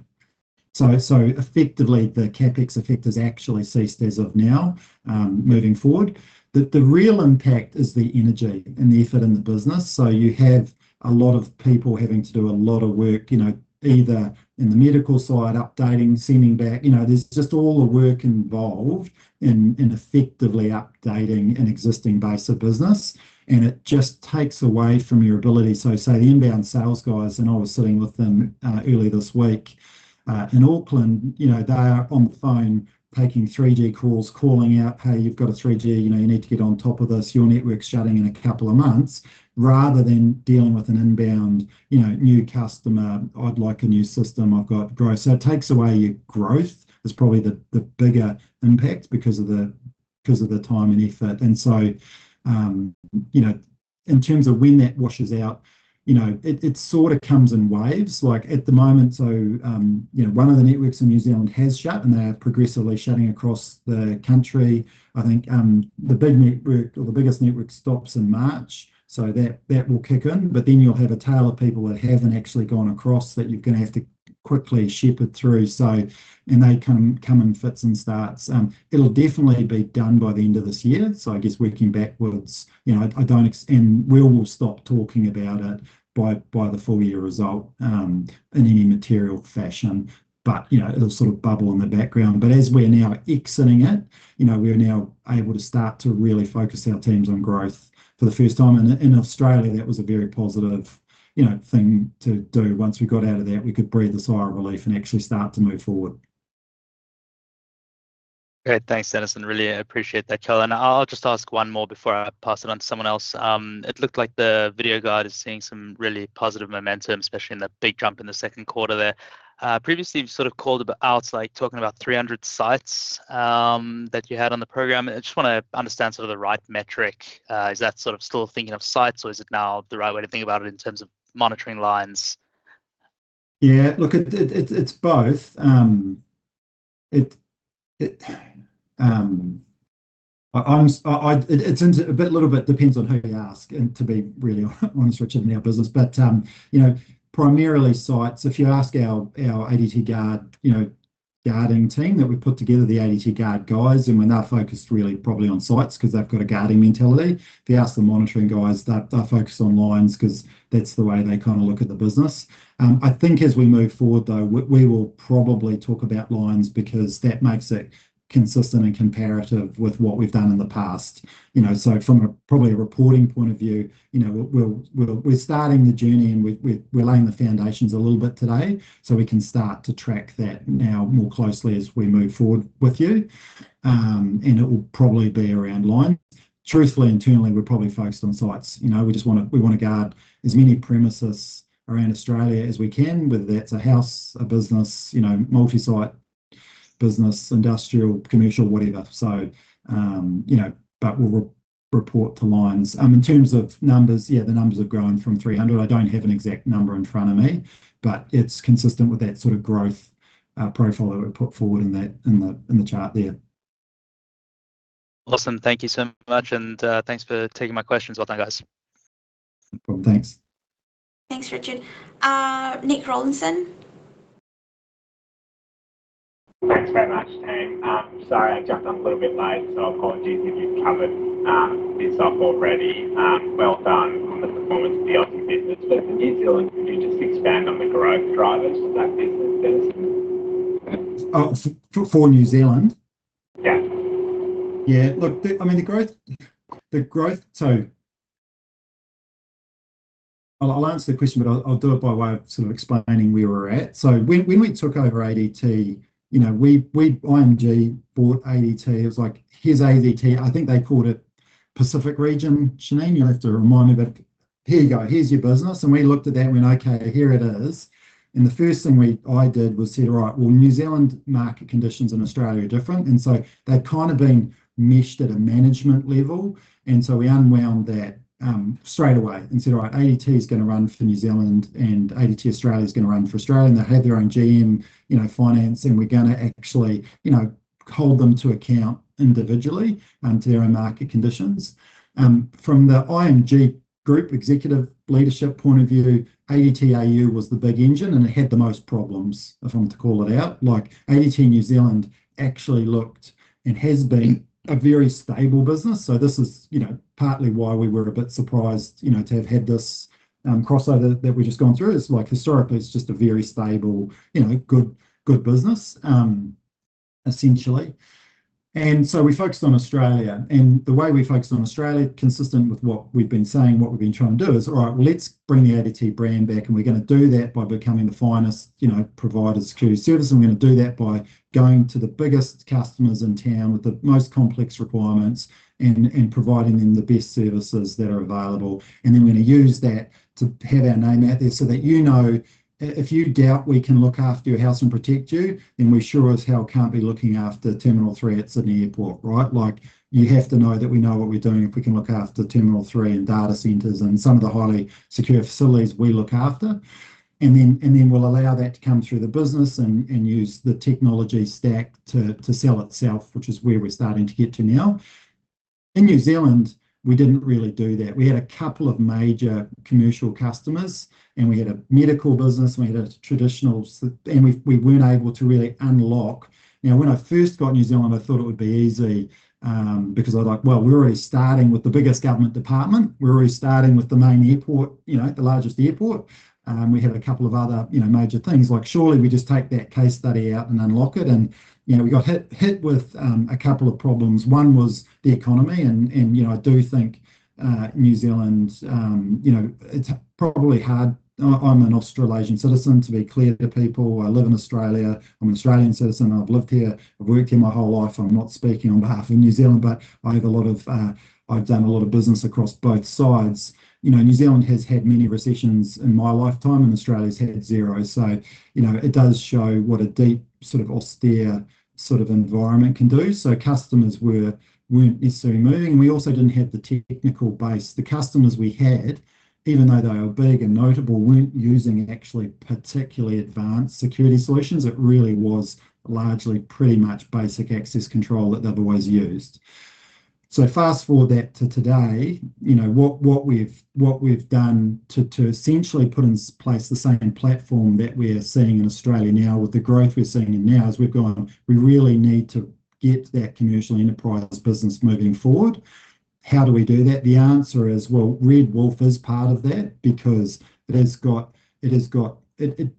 So, effectively, the CapEx effect has actually ceased as of now, moving forward. The real impact is the energy and the effort in the business. So you have a lot of people having to do a lot of work, you know, either in the medical side, updating, sending back. You know, there's just all the work involved in effectively updating an existing base of business, and it just takes away from your ability. So, say, the inbound sales guys, and I was sitting with them earlier this week in Auckland, you know, they are on the phone taking 3G calls, calling out, "Hey, you've got a 3G. You know, you need to get on top of this. Your network's shutting in a couple of months," rather than dealing with an inbound, you know, new customer, "I'd like a new system. I've got growth." So it takes away your growth, is probably the bigger impact because of the time and effort. And so, you know, in terms of when that washes out, you know, it sort of comes in waves. Like, at the moment, one of the networks in New Zealand has shut, and they are progressively shutting across the country. I think the big network or the biggest network stops in March, so that will kick in, but then you'll have a tail of people that haven't actually gone across that you're going to have to quickly shepherd through, so, and they come in fits and starts. It'll definitely be done by the end of this year. So I guess working backwards, you know, I don't expect and we all will stop talking about it by the full year result in any material fashion. But, you know, it'll sort of bubble in the background. But as we're now exiting it, you know, we are now able to start to really focus our teams on growth for the first time. And in Australia, that was a very positive, you know, thing to do. Once we got out of that, we could breathe a sigh of relief and actually start to move forward. Great. Thanks, Dennis, and really appreciate that call. I'll just ask one more before I pass it on to someone else. It looked like the ADT Guard is seeing some really positive momentum, especially in the big jump in the second quarter there. Previously, you sort of called a bit out, like talking about 300 sites that you had on the program. I just wanna understand sort of the right metric. Is that sort of still thinking of sites, or is it now the right way to think about it in terms of monitoring lines? Yeah, look, it's both. It's a bit, little bit depends on who you ask and to be really honest, Richard, in our business. But, you know, primarily sites, if you ask our ADT Guard, you know, guarding team that we put together, the ADT Guard guys, and when they're focused really probably on sites, 'cause they've got a guarding mentality. If you ask the monitoring guys, they're focused on lines, 'cause that's the way they kind of look at the business. I think as we move forward, though, we will probably talk about lines, because that makes it consistent and comparative with what we've done in the past. You know, so from a probably a reporting point of view, you know, we're starting the journey, and we're laying the foundations a little bit today, so we can start to track that now more closely as we move forward with you. And it will probably be around line. Truthfully, internally, we're probably focused on sites. You know, we just wanna guard as many premises around Australia as we can, whether that's a house, a business, you know, multi-site business, industrial, commercial, whatever. So, you know, but we'll report to lines. In terms of numbers, yeah, the numbers have grown from 300. I don't have an exact number in front of me, but it's consistent with that sort of growth profile that we put forward in the chart there. Awesome. Thank you so much, and, thanks for taking my questions. Well done, guys. No problem. Thanks. Thanks, Richard. Nick Rawlinson? Thanks very much, team. Sorry, I jumped on a little bit late, so apologies if you've covered this off already. Well done on the performance of the IT business. But for New Zealand, could you just expand on the growth drivers for that business, Dennis? For New Zealand? Yeah. Yeah, look, I mean, the growth, so I'll answer the question, but I'll do it by way of sort of explaining where we're at. So when we took over ADT, you know, IMG bought ADT. It was like, "Here's ADT." I think they called it Pacific Region. Janine, you'll have to remind me, but, "Here you go. Here's your business." And we looked at that and went, "Okay, here it is." The first thing I did was say, "Right, well, New Zealand market conditions and Australia are different." So they'd kind of been meshed at a management level, and we unwound that straightaway and said, "Right, ADT is gonna run for New Zealand, and ADT Australia is gonna run for Australia, and they'll have their own GM, you know, finance, and we're gonna actually, you know, hold them to account individually to their own market conditions." From the IMG group executive leadership point of view, ADT AU was the big engine, and it had the most problems, if I want to call it out. Like, ADT New Zealand actually looked and has been a very stable business, so this is, you know, partly why we were a bit surprised, you know, to have had this crossover that we've just gone through. It's like historically, it's just a very stable, you know, good, good business, essentially. And so we focused on Australia, and the way we focused on Australia, consistent with what we've been saying, what we've been trying to do, is, "All right, well, let's bring the ADT brand back, and we're gonna do that by becoming the finest, you know, provider security service, and we're gonna do that by going to the biggest customers in town with the most complex requirements and, and providing them the best services that are available. And then we're gonna use that to have our name out there so that you know if you doubt we can look after your house and protect you, then we sure as hell can't be looking after Sydney Airport Terminal 3, right? Like, you have to know that we know what we're doing if we can look after Sydney Airport Terminal 3 and data centers and some of the highly secure facilities we look after. And then, and then we'll allow that to come through the business and, and use the technology stack to, to sell itself, which is where we're starting to get to now. In New Zealand, we didn't really do that. We had a couple of major commercial customers, and we had a medical business, and we had a traditional and we, we weren't able to really unlock. Now, when I first got New Zealand, I thought it would be easy, because I was like, well, we're already starting with the biggest government department. We're already starting with the main airport, you know, the largest airport. We had a couple of other, you know, major things, like surely we just take that case study out and unlock it. And, you know, we got hit with a couple of problems. One was the economy and, you know, I do think New Zealand, you know, it's probably hard, I'm an Australasian citizen, to be clear to people. I live in Australia. I'm an Australian citizen, and I've lived here, I've worked here my whole life, and I'm not speaking on behalf of New Zealand, but I have a lot of, I've done a lot of business across both sides. You know, New Zealand has had many recessions in my lifetime, and Australia's had zero. So, you know, it does show what a deep, sort of austere sort of environment can do. So customers weren't necessarily moving, and we also didn't have the technical base. The customers we had, even though they were big and notable, weren't using actually particularly advanced security solutions. It really was largely pretty much basic access control that they've always used. So fast-forward that to today, you know, what, what we've, what we've done to, to essentially put in place the same platform that we're seeing in Australia now, with the growth we're seeing in now, is we've gone, "We really need to get that commercial enterprise business moving forward." How do we do that? The answer is, well, Red Wolf is part of that because it has got, it has got. It has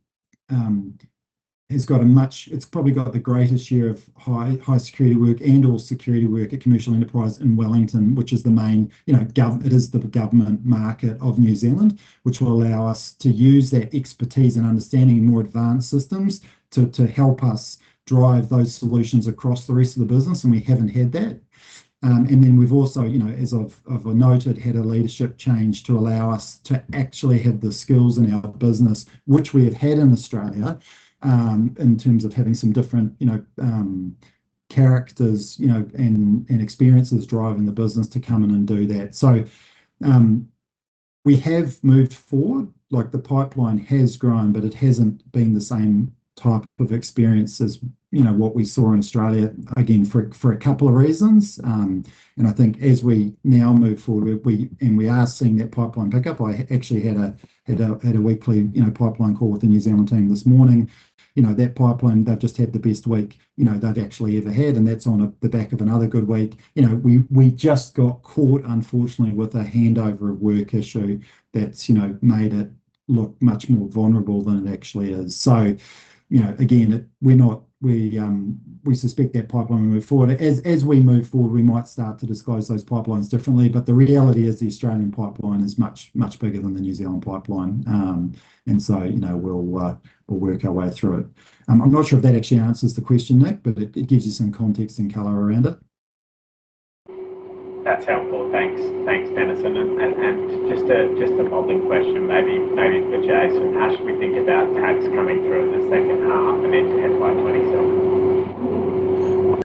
got a much- it's probably got the greatest share of high, high-security work and/or security work at commercial enterprise in Wellington, which is the main, you know, it is the government market of New Zealand, which will allow us to use their expertise in understanding more advanced systems to help us drive those solutions across the rest of the business, and we haven't had that. And then we've also, you know, as I've noted, had a leadership change to allow us to actually have the skills in our business, which we have had in Australia, in terms of having some different, you know, characters, you know, and experiences driving the business to come in and do that. So, we have moved forward, like the pipeline has grown, but it hasn't been the same type of experience as, you know, what we saw in Australia, again, for a couple of reasons. And I think as we now move forward, we are seeing that pipeline pick up. I actually had a weekly, you know, pipeline call with the New Zealand team this morning. You know, that pipeline, they've just had the best week, you know, they've actually ever had, and that's on the back of another good week. You know, we just got caught, unfortunately, with a handover at work issue that's, you know, made it look much more vulnerable than it actually is. So, you know, again, it. We're not. We suspect that pipeline will move forward. As we move forward, we might start to disclose those pipelines differently, but the reality is the Australian pipeline is much, much bigger than the New Zealand pipeline. And so, you know, we'll work our way through it. I'm not sure if that actually answers the question, Nick, but it gives you some context and color around it. That's helpful. Thanks. Thanks, Dennison. And just a parting question, maybe for Jason: How should we think about tax coming through in the second half and into FY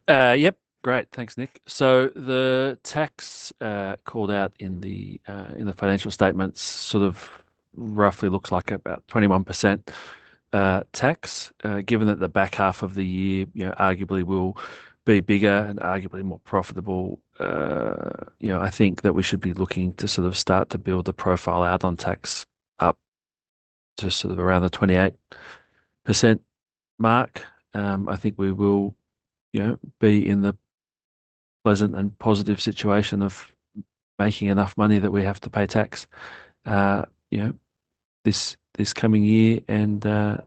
2027? Yep. Great. Thanks, Nick. So the tax called out in the financial statements sort of roughly looks like about 21% tax. Given that the back half of the year, you know, arguably will be bigger and arguably more profitable, you know, I think that we should be looking to sort of start to build the profile out on tax up to sort of around the 28% mark. I think we will, you know, be in the pleasant and positive situation of making enough money that we have to pay tax, you know, this coming year and the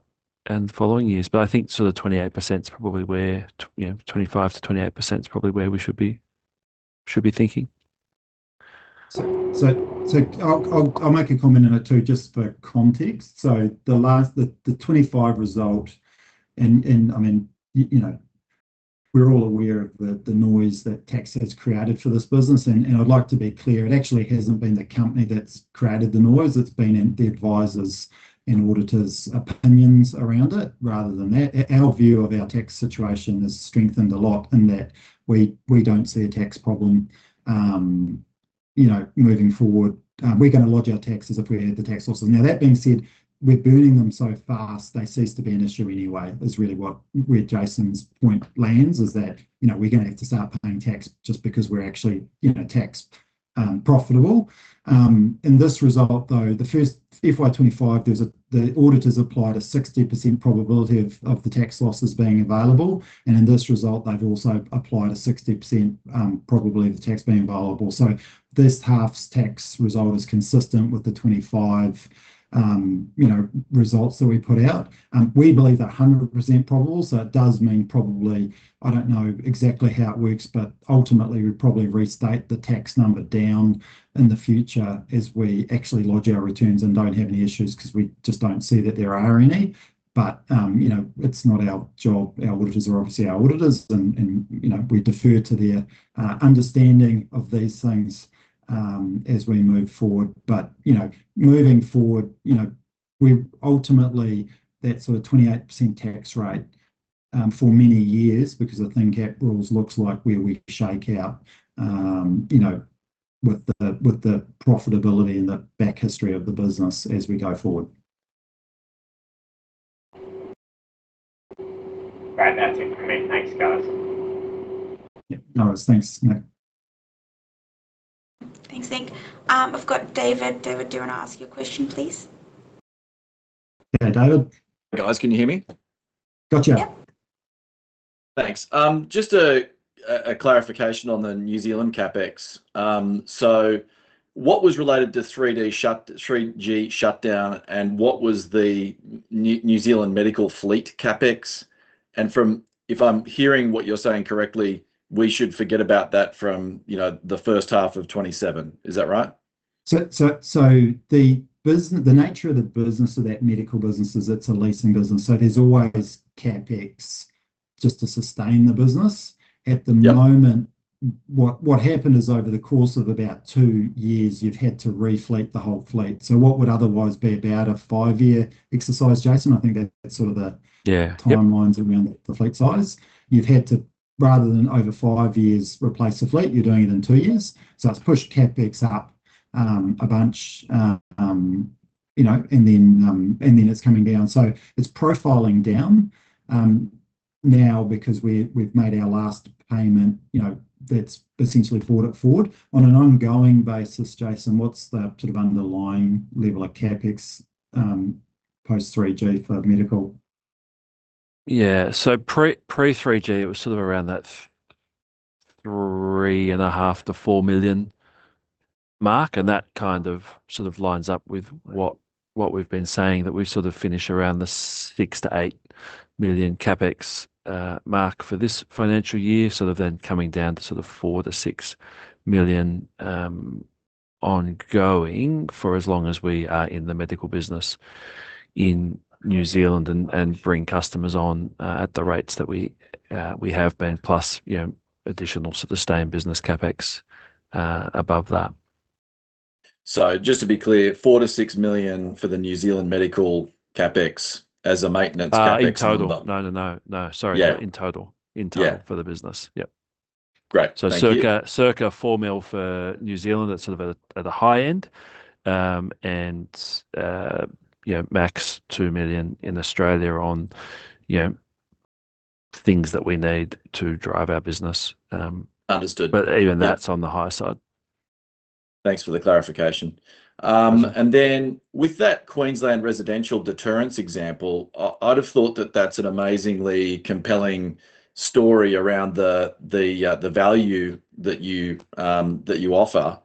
following years. But I think sort of 28% is probably where, you know, 25%-28% is probably where we should be thinking. So I'll make a comment on it, too, just for context. So the last 25 result, and I mean, you know, we're all aware of the noise that tax has created for this business. And I'd like to be clear, it actually hasn't been the company that's created the noise. It's been in the advisors' and auditors' opinions around it, rather than that. Our view of our tax situation has strengthened a lot in that we don't see a tax problem, you know, moving forward. We're going to lodge our taxes if we had the tax losses. Now, that being said, we're burning them so fast, they cease to be an issue anyway, is really what, where Jason's point lands, is that, you know, we're going to have to start paying tax just because we're actually, you know, tax profitable. In this result, though, the first FY 2025, the auditors applied a 60% probability of the tax losses being available, and in this result, they've also applied a 60% probability of the tax being available. So this half's tax result is consistent with the 25, you know, results that we put out. We believe that 100% probable, so it does mean probably, I don't know exactly how it works, but ultimately we'd probably restate the tax number down in the future as we actually lodge our returns and don't have any issues, 'cause we just don't see that there are any. But, you know, it's not our job. Our auditors are obviously our auditors, and, you know, we defer to their understanding of these things, as we move forward. But, you know, moving forward, you know, we've ultimately that sort of 28% tax rate, for many years, because the thin cap rules looks like where we shake out, you know, with the, with the profitability and the back history of the business as we go forward. Great. That's it from me. Thanks, guys. Yep. No worries. Thanks, Nick. Thanks, Nick. I've got David. David, do you want to ask your question, please? Yeah, David. Guys, can you hear me? Gotcha. Yep. Thanks. Just a clarification on the New Zealand CapEx. So what was related to 3G shutdown, and what was the New Zealand medical fleet CapEx? And from, if I'm hearing what you're saying correctly, we should forget about that from, you know, the first half of 2027. Is that right? So, the nature of the business of that medical business is it's a leasing business, so there's always CapEx just to sustain the business. Yep. At the moment, what happened is, over the course of about two years, you've had to refleet the whole fleet. So what would otherwise be about a five-year exercise, Jason, I think that's sort of the- Yeah. Yep. Timelines around the fleet size. You've had to, rather than over five years, replace the fleet, you're doing it in two years. So it's pushed CapEx up a bunch, you know, and then it's coming down. So it's profiling down now because we've made our last payment, you know, that's essentially brought it forward. On an ongoing basis, Jason, what's the sort of underlying level of CapEx post 3G for medical? Yeah. So pre-3G, it was sort of around that 3.5 million-4 million mark, and that kind of, sort of lines up with what, what we've been saying, that we've sort of finished around the 6 million-8 million CapEx mark for this financial year. Sort of then coming down to sort of 4 million-6 million ongoing for as long as we are in the medical business in New Zealand, and bring customers on at the rates that we, we have been, plus, you know, additional, sort of, stay-in-business CapEx above that. Just to be clear, 4 million-6 million for the New Zealand medical CapEx as a maintenance CapEx number? In total. No, no, no. No, sorry. Yeah. In total. Yeah. In total for the business, yep. Great. Thank you. So circa four million for New Zealand, that's sort of at a high end. And you know, max 2 million in Australia on, you know, things that we need to drive our business. Understood. But even that's on the high side. Thanks for the clarification. With that Queensland residential deterrence example, I'd have thought that that's an amazingly compelling story around the value that you offer.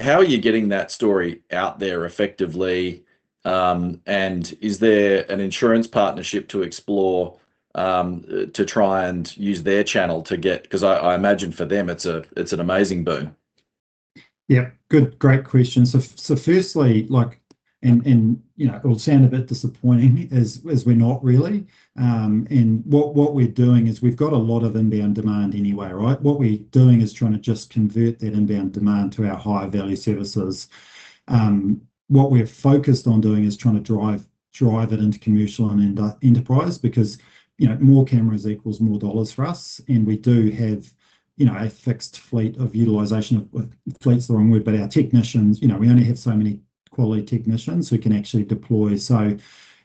How are you getting that story out there effectively? Is there an insurance partnership to explore, to try and use their channel to get cause I imagine for them, it's an amazing boon. Yeah. Good, great question. So firstly, like, and, you know, it will sound a bit disappointing, as we're not really, and what we're doing is we've got a lot of inbound demand anyway, right? What we're doing is trying to just convert that inbound demand to our higher-value services. What we're focused on doing is trying to drive it into commercial and enterprise because, you know, more cameras equals more dollars for us, and we do have, you know, a fixed fleet of utilization. Well, fleet's the wrong word, but our technicians, you know, we only have so many quality technicians who can actually deploy. So,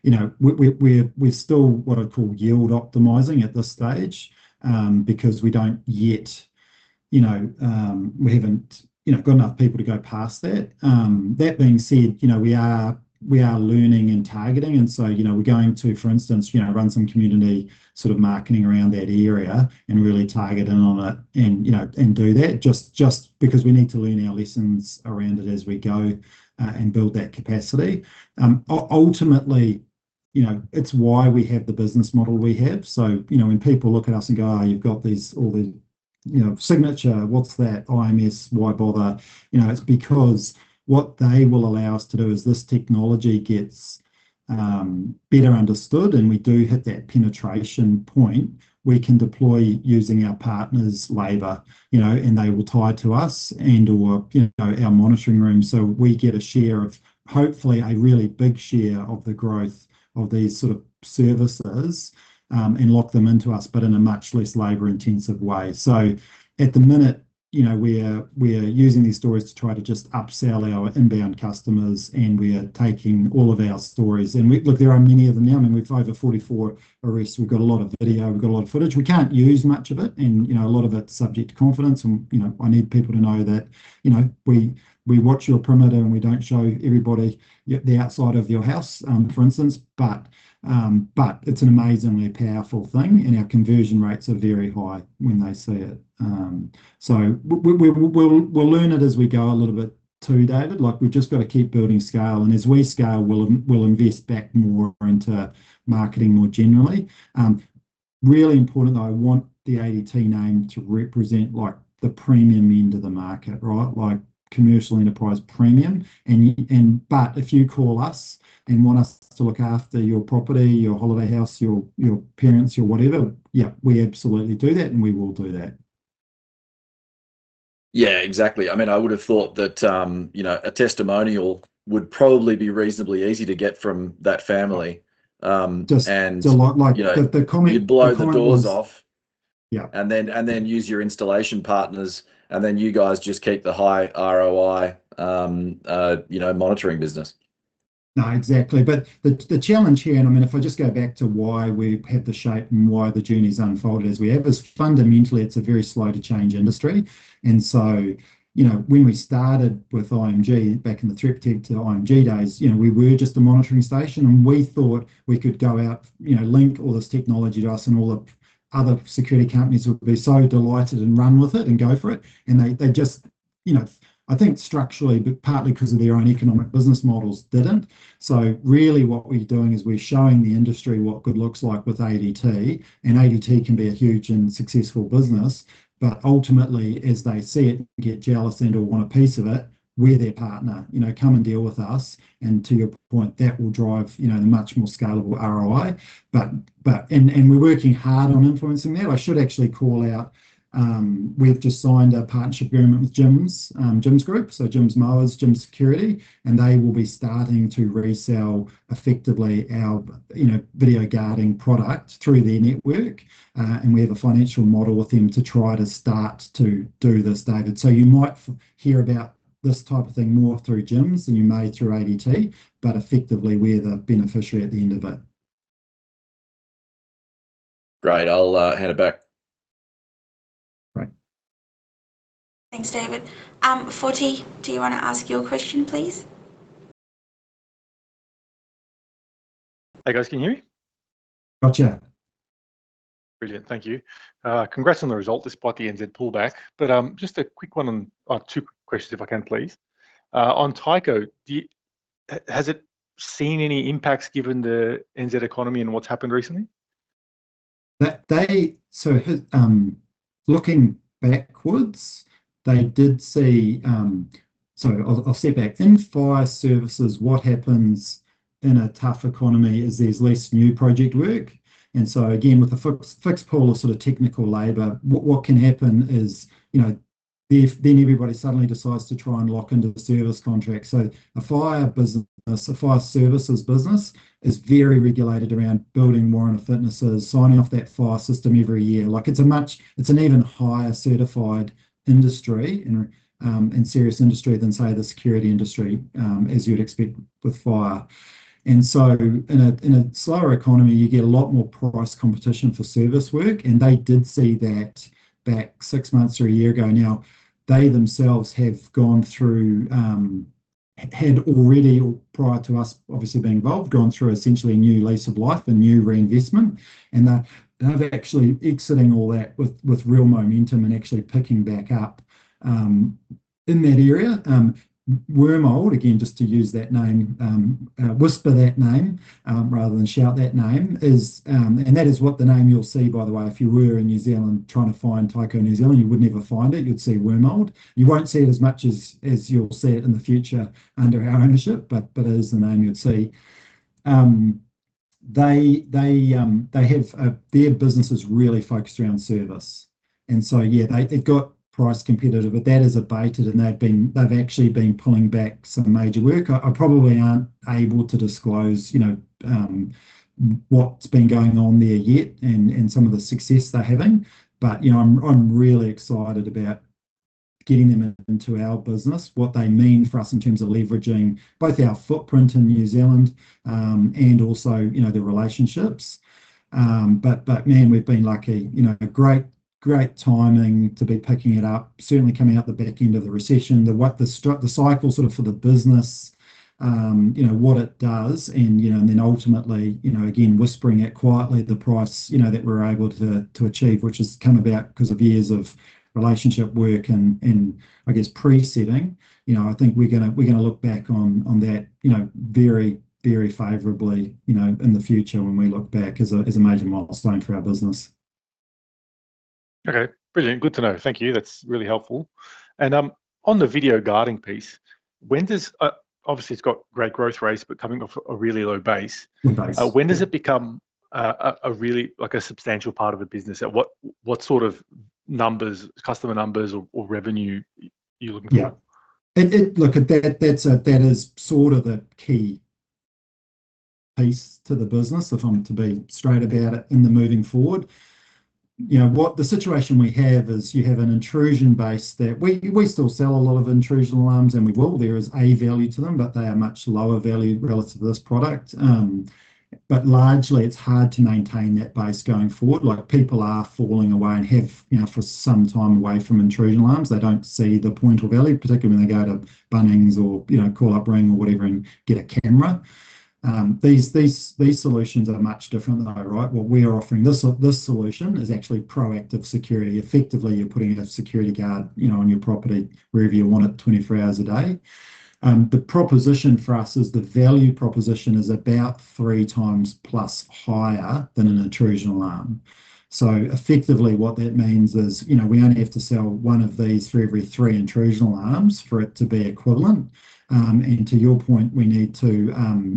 you know, we're still what I'd call yield optimizing at this stage, because we don't yet. You know, we haven't got enough people to go past that. That being said, you know, we are, we are learning and targeting, and so, you know, we're going to, for instance, you know, run some community sort of marketing around that area and really target in on it and, you know, and do that just, just because we need to learn our lessons around it as we go, and build that capacity. Ultimately, you know, it's why we have the business model we have. So, you know, when people look at us and go, "Oh, you've got these, all the you know, Signature, what's that? IMS, why bother?" You know, it's because what they will allow us to do, as this technology gets better understood and we do hit that penetration point, we can deploy using our partners' labour, you know, and they will tie to us and/or, you know, our monitoring room. So we get a share of, hopefully a really big share of the growth of these sort of services, and lock them into us, but in a much less labor-intensive way. So at the minute, you know, we're, we're using these stories to try to just upsell our inbound customers, and we are taking all of our stories. And we look, there are many of them now. I mean, we've over 44 arrests. We've got a lot of video. We've got a lot of footage. We can't use much of it, and, you know, a lot of it's subject to confidentiality, and, you know, I need people to know that, you know, we, we watch your perimeter, and we don't show everybody yet the outside of your house, for instance. But it's an amazingly powerful thing, and our conversion rates are very high when they see it. So we'll learn it as we go a little bit too, David. Like, we've just got to keep building scale, and as we scale, we'll invest back more into marketing more generally. Really important, though, I want the ADT name to represent, like, the premium end of the market, right? Like commercial enterprise premium. But if you call us and want us to look after your property, your holiday house, your, your parents, your whatever, yeah, we absolutely do that, and we will do that. Yeah, exactly. I mean, I would've thought that, you know, a testimonial would probably be reasonably easy to get from that family. And- Just a lot like- you know- The comment- You'd blow the doors off. Yeah. Use your installation partners, and then you guys just keep the high ROI, you know, monitoring business. No, exactly. But the challenge here, and I mean, if I just go back to why we have the shape and why the journey's unfolded as we have, is fundamentally it's a very slow-to-change industry. And so, you know, when we started with IMG, back in the Threat Protect to IMG days, you know, we were just a monitoring station, and we thought we could go out, you know, link all this technology to us, and all the other security companies would be so delighted and run with it and go for it. And they, they just you know, I think structurally, but partly because of their own economic business models, didn't. So really what we're doing is we're showing the industry what good looks like with ADT, and ADT can be a huge and successful business, but ultimately, as they see it, get jealous and will want a piece of it, we're their partner. You know, "Come and deal with us," and to your point, that will drive, you know, the much more scalable ROI. And we're working hard on influencing that. I should actually call out, we've just signed a partnership agreement with Jim's, Jim's Group, so Jim's Mowers, Jim's Security, and they will be starting to resell effectively our, you know, video guarding product through their network. And we have a financial model with them to try to start to do this, David. So you might hear about this type of thing more through Jim's than you may through ADT, but effectively, we're the beneficiary at the end of it. Great, I'll hand it back. Right. Thanks, David. Foti, do you wanna ask your question, please? Hey, guys, can you hear me? Gotcha. Brilliant. Thank you. Congrats on the result, despite the NZ pullback. But, just a quick one on, two quick questions if I can, please. On Tyco, has it seen any impacts given the NZ economy and what's happened recently? Looking backwards, they did see, sorry, I'll step back. In fire services, what happens in a tough economy is there's less new project work, and so again, with a fixed pool of sort of technical labor, what can happen is, you know, if then everybody suddenly decides to try and lock into the service contract. So a fire business, a fire services business is very regulated around Building Warrants of Fitness, signing off that fire system every year. Like, it's a much, it's an even higher certified industry and, and serious industry than, say, the security industry, as you'd expect with fire. And so in a slower economy, you get a lot more price competition for service work, and they did see that back six months or a year ago. Now, they themselves have gone through, had already, prior to us obviously being involved, gone through essentially a new lease of life, a new reinvestment, and they, they're actually exiting all that with, with real momentum and actually picking back up, in that area. Wormald, again, just to use that name, whisper that name, rather than shout that name, that is what the name you'll see, by the way, if you were in New Zealand trying to find Tyco New Zealand. You would never find it. You'd see Wormald. You won't see it as much as, as you'll see it in the future under our ownership, but, but it is the name you'd see. They have their business is really focused around service, and so yeah, they've got price competitive, but that has abated, and they've actually been pulling back some major work. I probably aren't able to disclose, you know, what's been going on there yet and some of the success they're having, but, you know, I'm really excited about getting them into our business, what they mean for us in terms of leveraging both our footprint in New Zealand and also, you know, their relationships. But, but man, we've been lucky. You know, great, great timing to be picking it up, certainly coming out the back end of the recession. The cycle, sort of for the business, you know, what it does and, you know, and then ultimately, you know, again, whispering it quietly, the price, you know, that we're able to achieve, which has come about 'cause of years of relationship work and I guess pre-seeding. You know, I think we're gonna look back on that, you know, very, very favorably, you know, in the future when we look back as a major milestone for our business. Okay, brilliant. Good to know. Thank you. That's really helpful. And, on the video guarding piece, when does obviously, it's got great growth rates, but coming off a really low base. Base. When does it become a really, like, a substantial part of the business? At what sort of numbers, customer numbers or revenue you're looking for? Yeah. And look, that is sort of a key piece to the business, if I'm to be straight about it, in the moving forward. You know, the situation we have is you have an intrusion base that we still sell a lot of intrusion alarms, and we will. There is a value to them, but they are much lower value relative to this product. But largely, it's hard to maintain that base going forward. Like, people are falling away and have, you know, for some time away from intrusion alarms. They don't see the point or value, particularly when they go to Bunnings or, you know, like Ring or whatever and get a camera. These solutions are much different, though, right? What we are offering, this solution is actually proactive security. Effectively, you're putting a security guard, you know, on your property wherever you want it, 24 hours a day. The proposition for us is the value proposition is about three times plus higher than an intrusion alarm. So effectively, what that means is, you know, we only have to sell one of these for every three intrusion alarms for it to be equivalent. And to your point, we need to,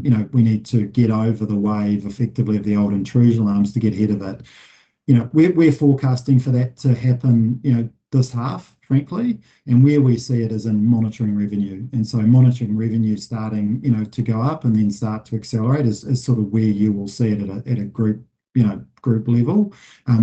you know, we need to get over the wave, effectively, of the old intrusion alarms to get ahead of it. You know, we're, we're forecasting for that to happen, you know, this half, frankly, and where we see it is in monitoring revenue, and so monitoring revenue starting, you know, to go up and then start to accelerate is, is sort of where you will see it at a, at a group, you know, group level.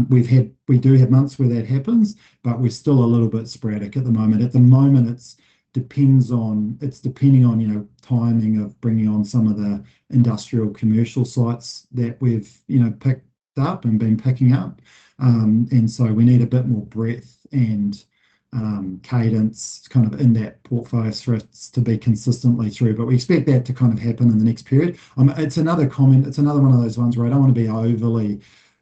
We've had- we do have months where that happens, but we're still a little bit sporadic at the moment. At the moment, it's depending on, you know, timing of bringing on some of the industrial commercial sites that we've, you know, picked up and been picking up. And so we need a bit more breadth and, um, cadence kind of in that portfolio for it to be consistently through, but we expect that to kind of happen in the next period. It's another one of those ones where I don't want to be overly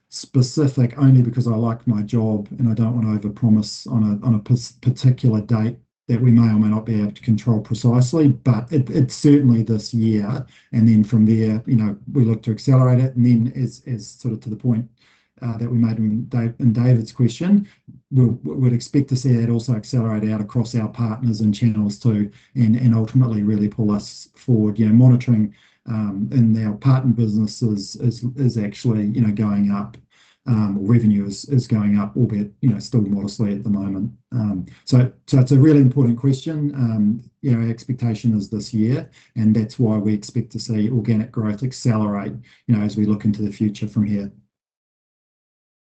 specific, only because I like my job, and I don't want to overpromise on a particular date that we may or may not be able to control precisely, but it, it's certainly this year. And then from there, you know, we look to accelerate it, and then as sort of to the point that we made in David's question, we'd expect to see that also accelerate out across our partners and channels, too, and ultimately really pull us forward. You know, monitoring in our partner businesses is actually going up, or revenue is going up, albeit still modestly at the moment. So it's a really important question. You know, our expectation is this year, and that's why we expect to see organic growth accelerate, you know, as we look into the future from here.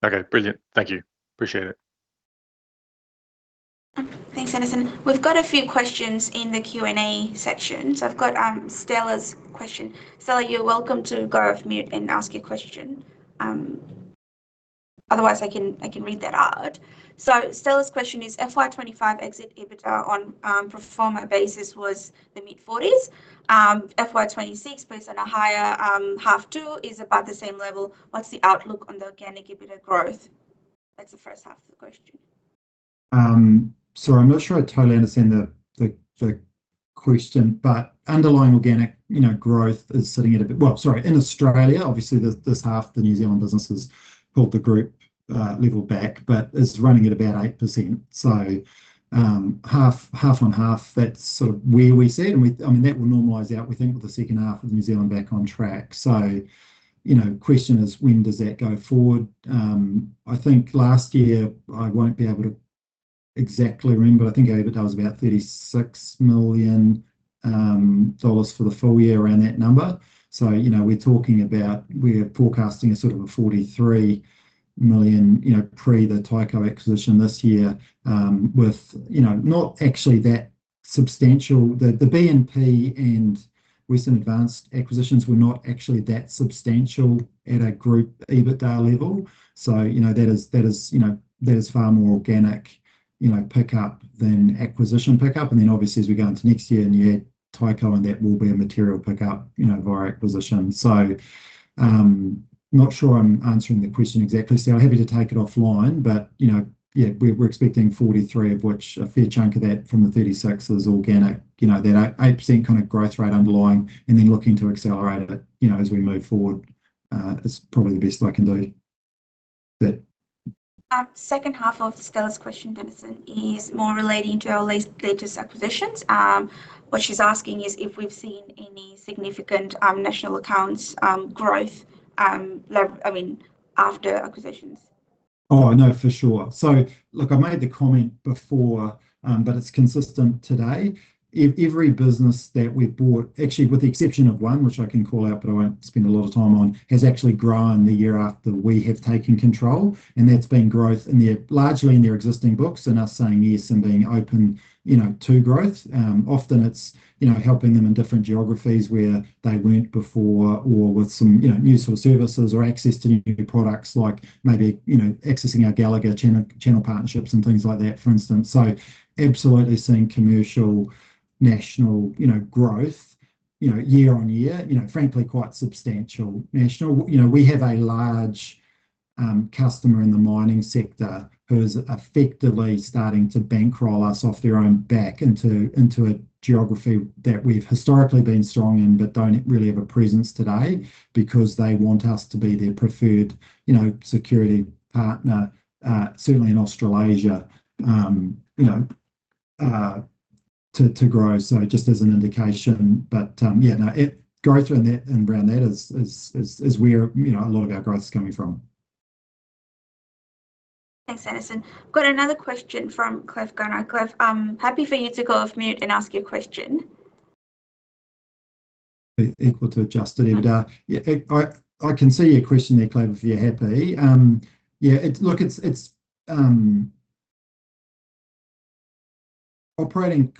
Okay, brilliant. Thank you. Appreciate it. Thanks, Dennison. We've got a few questions in the Q&A section. So I've got Stella's question. Stella, you're welcome to go off mute and ask your question. Otherwise, I can read that out. So Stella's question is, "FY 2025 exit EBITDA on pro forma basis was the AUD mid-40s. FY 2026 based on a higher H2 is about the same level. What's the outlook on the organic EBITDA growth?" That's the first half of the question. Sorry, I'm not sure I totally understand the question, but underlying organic, you know, growth is sitting at a bit, well, sorry, in Australia, obviously, this half, the New Zealand business has pulled the group level back, but it's running at about 8%. So, half, half-on-half, that's sort of where we sit, and we, I mean, that will normalize out, we think, with the second half of New Zealand back on track. So, you know, question is, when does that go forward? I think last year, I won't be able to exactly remember, but I think EBITDA was about 36 million dollars for the full year, around that number. So, you know, we're talking about, we're forecasting a sort of a 43 million, you know, pre the Tyco acquisition this year, with, you know, not actually that substantial. The BNP and recent Western Advance acquisitions were not actually that substantial at a group EBITDA level. So, you know, that is far more organic, you know, pickup than acquisition pickup. And then obviously, as we go into next year, and yet Tyco and that will be a material pickup, you know, via acquisition. So, not sure I'm answering the question exactly. So I'm happy to take it offline, but, you know, yeah, we're expecting 43, of which a fair chunk of that from the 36 is organic. You know, that 8% kind of growth rate underlying and then looking to accelerate it, you know, as we move forward, is probably the best I can do. But- Second half of Stella's question, Dennison, is more relating to our latest acquisitions. What she's asking is if we've seen any significant national accounts growth, I mean, after acquisitions. Oh, no, for sure. So look, I made the comment before, but it's consistent today. Every business that we've bought, actually with the exception of one, which I can call out, but I won't spend a lot of time on, has actually grown the year after we have taken control, and that's been growth in their, largely in their existing books and us saying yes and being open, you know, to growth. Often it's, you know, helping them in different geographies where they weren't before or with some, you know, useful services or access to new products, like maybe, you know, accessing our Gallagher channel, channel partnerships and things like that, for instance. So absolutely, seeing commercial, national, you know, growth, you know, year on year, you know, frankly, quite substantial. National, you know, we have a large customer in the mining sector who's effectively starting to bankroll us off their own back into a geography that we've historically been strong in but don't really have a presence today because they want us to be their preferred, you know, security partner certainly in Australasia, you know, to grow. So just as an indication, but yeah, no, growth around that, and around that is where, you know, a lot of our growth is coming from. Thanks, Dennison. Got another question from Cliff Garner. Cliff, I'm happy for you to go off mute and ask your question. Equal to Adjusted EBITDA. Yeah, I can see your question there, Cliff, if you're happy. Yeah, it's operating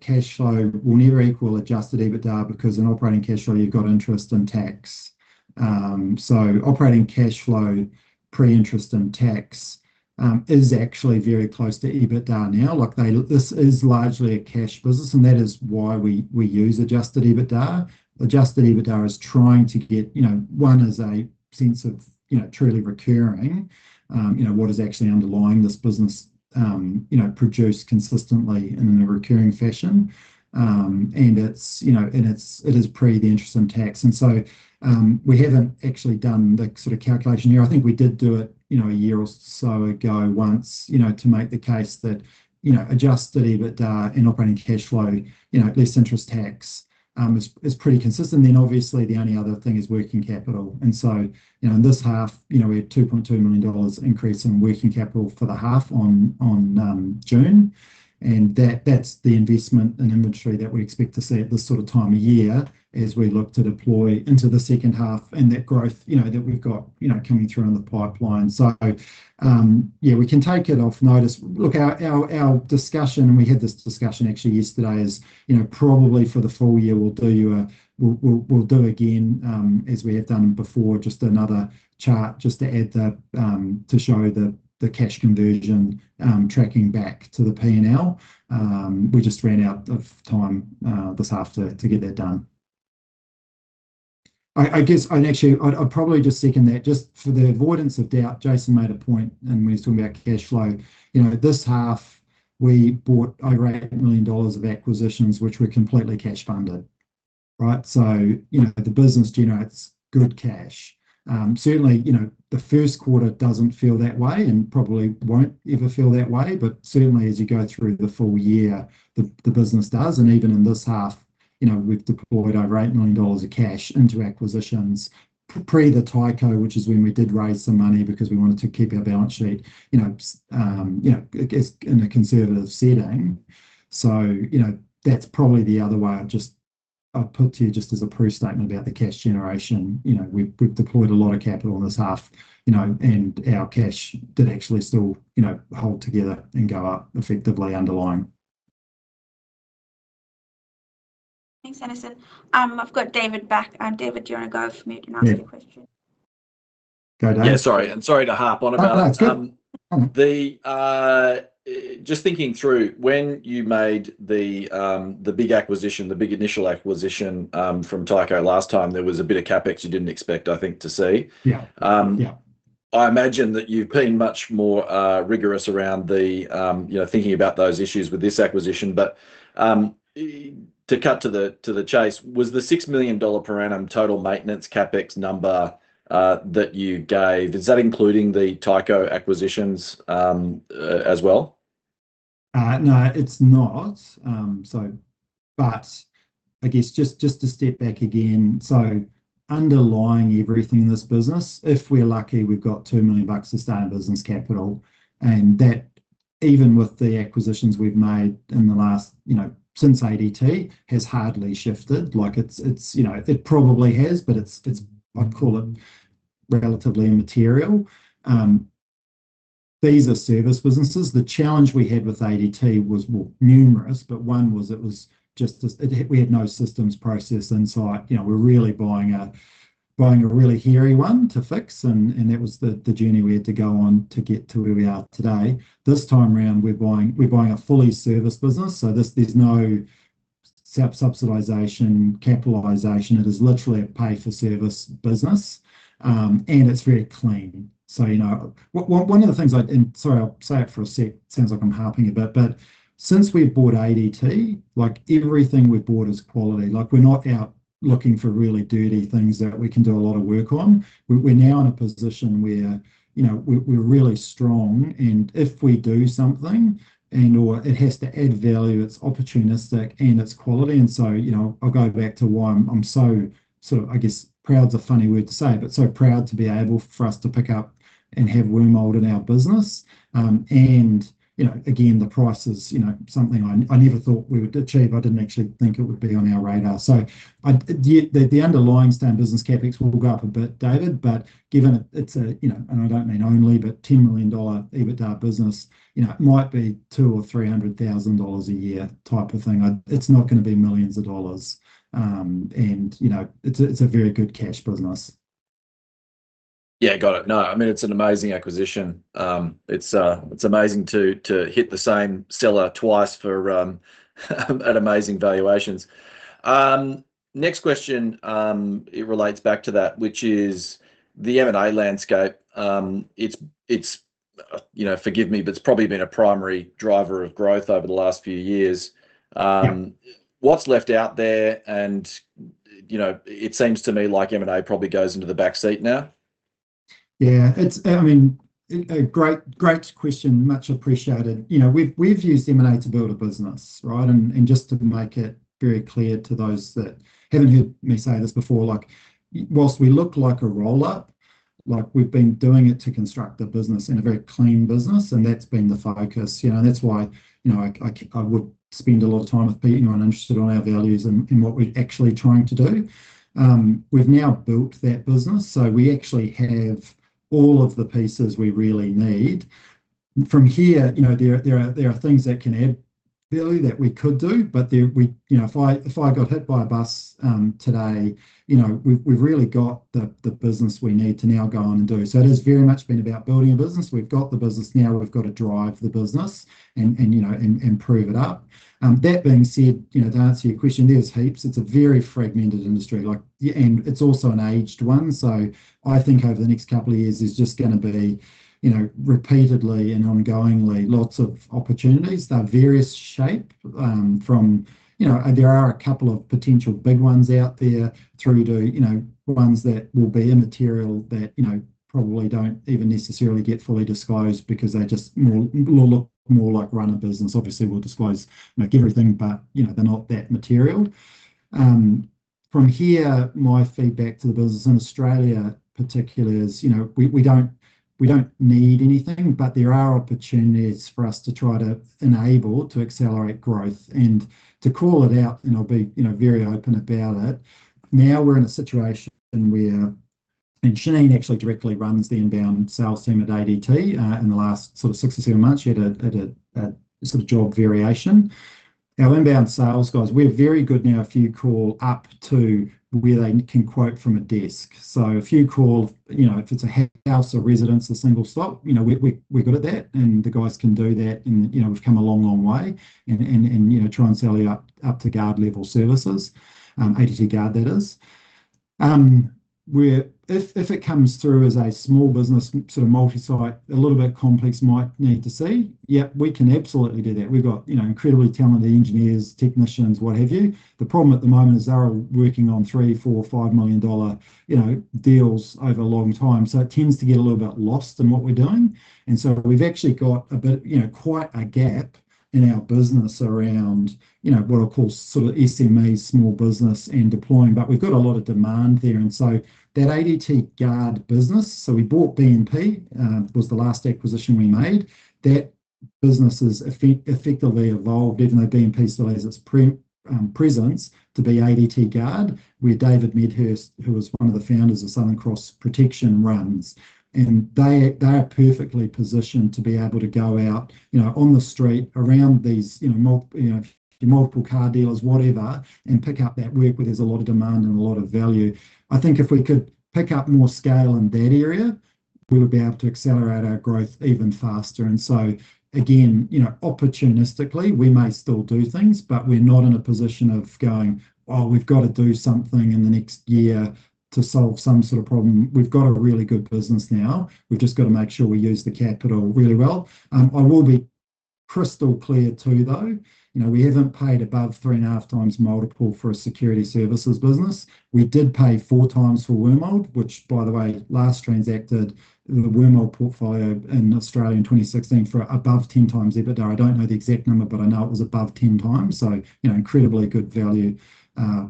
cash flow will never equal Adjusted EBITDA, because in operating cash flow, you've got interest and tax. So operating cash flow, pre-interest and tax, is actually very close to EBITDA now. Like, this is largely a cash business, and that is why we use Adjusted EBITDA. Adjusted EBITDA is trying to get, you know, one, is a sense of, you know, truly recurring. You know, what is actually underlying this business, you know, produced consistently in a recurring fashion? And it's, you know, it is pre the interest and tax, and so, we haven't actually done the sort of calculation here. I think we did do it, you know, a year or so ago once, you know, to make the case that, you know, Adjusted EBITDA and operating cash flow, you know, less interest, tax, is pretty consistent. Then obviously, the only other thing is working capital. And so, you know, in this half, you know, we had 2.2 million dollars increase in working capital for the half on June, and that's the investment in inventory that we expect to see at this sort of time of year as we look to deploy into the second half and that growth, you know, that we've got, you know, coming through in the pipeline. So, yeah, we can take it off notice. Look, our discussion, and we had this discussion actually yesterday, is, you know, probably for the full year, we'll do again, as we have done before, just another chart just to add the, to show the, the cash conversion, tracking back to the P&L. We just ran out of time, this half to get that done. I guess I'd actually probably just second that, just for the avoidance of doubt, Jason made a point when he was talking about cash flow. You know, this half, we bought over 8 million dollars of acquisitions, which were completely cash-funded, right? So, you know, the business generates good cash. Certainly, you know, the first quarter doesn't feel that way and probably won't ever feel that way, but certainly, as you go through the full year, the business does. And even in this half, you know, we've deployed over 8 million dollars of cash into acquisitions pre the Tyco, which is when we did raise some money because we wanted to keep our balance sheet, you know, you know, I guess, in a conservative setting. So, you know, that's probably the other way I'll put to you just as a pre-statement about the cash generation. You know, we've deployed a lot of capital in this half, you know, and our cash did actually still, you know, hold together and go up effectively underlying. Thanks, Dennison. I've got David back. David, do you want to go for me and ask a question? Yeah. Go, David. Yeah, sorry, and sorry to harp on about it. No, it's good. Just thinking through, when you made the big acquisition, the big initial acquisition, from Tyco last time, there was a bit of CapEx you didn't expect, I think, to see. Yeah, yeah. I imagine that you've been much more, rigorous around the, you know, thinking about those issues with this acquisition. But, to cut to the, to the chase, was the 6 million dollar per annum total maintenance CapEx number, that you gave, is that including the Tyco acquisitions, as well? No, it's not. So, but I guess just to step back again. So underlying everything in this business, if we're lucky, we've got 2 million bucks of standard business capital, and that, even with the acquisitions we've made in the last, you know, since ADT, has hardly shifted. Like, it's, you know, it probably has, but it's, I'd call it relatively immaterial. These are service businesses. The challenge we had with ADT was, well, numerous, but one was it was just this. We had no systems, process, insight. You know, we're really buying a really hairy one to fix, and that was the journey we had to go on to get to where we are today. This time around, we're buying a fully serviced business, so there's no self-subsidization, capitalization. It is literally a pay-for-service business, and it's very clean. So, you know, one of the things and sorry, I'll say it for a sec, it sounds like I'm harping a bit, but since we've bought ADT, like, everything we've bought is quality. Like, we're not out looking for really dirty things that we can do a lot of work on. We're now in a position where, you know, we're really strong, and if we do something and/or it has to add value, it's opportunistic and it's quality. And so, you know, I'll go back to why I'm so sort of, I guess, "proud" is a funny word to say, but so proud to be able for us to pick up and have Wormald in our business. You know, again, the price is, you know, something I never thought we would achieve. I didn't actually think it would be on our radar. So the underlying stand business CapEx will go up a bit, David, but given it, it's a, you know, and I don't mean only, but 10 million dollar EBITDA business, you know, it might be 200,000-300,000 dollars a year type of thing. It's not going to be millions of AUD. You know, it's a very good cash business. Yeah, got it. No, I mean, it's an amazing acquisition. It's amazing to hit the same seller twice for at amazing valuations. Next question, it relates back to that, which is the M&A landscape. It's, you know, forgive me, but it's probably been a primary driver of growth over the last few years. Yeah. What's left out there, and, you know, it seems to me like M&A probably goes into the backseat now. Yeah, it's, I mean, a great, great question. Much appreciated. You know, we've used M&A to build a business, right? And just to make it very clear to those that haven't heard me say this before, like, whilst we look like a roll-up, like, we've been doing it to construct the business in a very clean business, and that's been the focus. You know, that's why, you know, I would spend a lot of time with people interested on our values and what we're actually trying to do. We've now built that business, so we actually have all of the pieces we really need. From here, you know, there are things that can add value that we could do, but you know, if I got hit by a bus today, you know, we've really got the business we need to now go on and do. So it has very much been about building a business. We've got the business. Now we've got to drive the business and, you know, prove it up. That being said, you know, to answer your question, there's heaps. It's a very fragmented industry, like, yeah, and it's also an aged one. So I think over the next couple of years, there's just going to be, you know, repeatedly and ongoingly, lots of opportunities. They're various shape from. You know, there are a couple of potential big ones out there through to, you know, ones that will be immaterial, that, you know, probably don't even necessarily get fully disclosed because they just more like run a business. Obviously, we'll disclose, like, everything, but, you know, they're not that material. From here, my feedback to the business in Australia particularly is, you know, we, we don't, we don't need anything, but there are opportunities for us to try to enable, to accelerate growth. And to call it out, and I'll be, you know, very open about it, now we're in a situation where and Janine actually directly runs the inbound sales team at ADT. In the last sort of six or seven months, she had a sort of job variation. Our inbound sales guys, we're very good now if you call up to where they can quote from a desk. So if you call, you know, if it's a house, a residence, a single slot, you know, we're good at that, and the guys can do that, and, you know, we've come a long, long way and, you know, try and sell you up to guard level services, ADT Guard, that is. We're if it comes through as a small business, sort of multi-site, a little bit complex, might need to see, yep, we can absolutely do that. We've got, you know, incredibly talented engineers, technicians, what have you. The problem at the moment is they are working on 3 million, 4 million, or 5 million dollar deals over a long time, so it tends to get a little bit lost in what we're doing. And so we've actually got a bit, you know, quite a gap in our business around, you know, what I call sort of SME, small business and deploying, but we've got a lot of demand there. And so that ADT Guard business, so we bought BNP was the last acquisition we made, that business effectively evolved, even though BNP still has its presence to be ADT Guard, where David Medhurst, who was one of the founders of Southern Cross Protection, runs. They are perfectly positioned to be able to go out, you know, on the street around these, you know, multiple car dealers, whatever, and pick up that work where there's a lot of demand and a lot of value. I think if we could pick up more scale in that area, we would be able to accelerate our growth even faster. And so again, you know, opportunistically, we may still do things, but we're not in a position of going, "Oh, we've got to do something in the next year to solve some sort of problem." We've got a really good business now. We've just got to make sure we use the capital really well. I will be crystal clear, too, though, you know, we haven't paid above 3.5x multiple for a security services business. We did pay 4x for Wormald, which, by the way, last transacted the Wormald portfolio in Australia in 2016 for above 10x EBITDA. I don't know the exact number, but I know it was above 10x, so, you know, incredibly good value,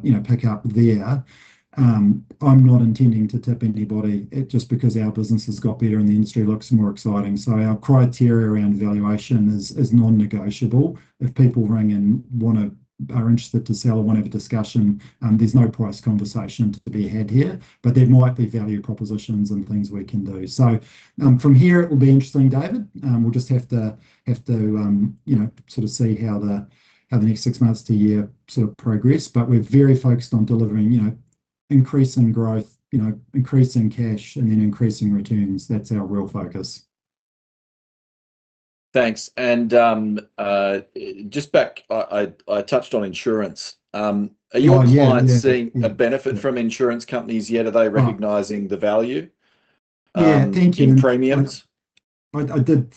you know, pick up there. I'm not intending to tip anybody just because our business has got better and the industry looks more exciting. So our criteria around valuation is, is non-negotiable. If people ring and want to are interested to sell or want to have a discussion, there's no price conversation to be had here, but there might be value propositions and things we can do. So, from here, it will be interesting, David. We'll just have to, you know, sort of see how the next six months to a year sort of progress, but we're very focused on delivering, you know, increasing growth, you know, increasing cash, and then increasing returns. That's our real focus. Thanks. And, just back, I touched on insurance. Are your clients seeing a benefit from insurance companies yet? Are they recognizing the value? Yeah. Thank you. In premiums? I know you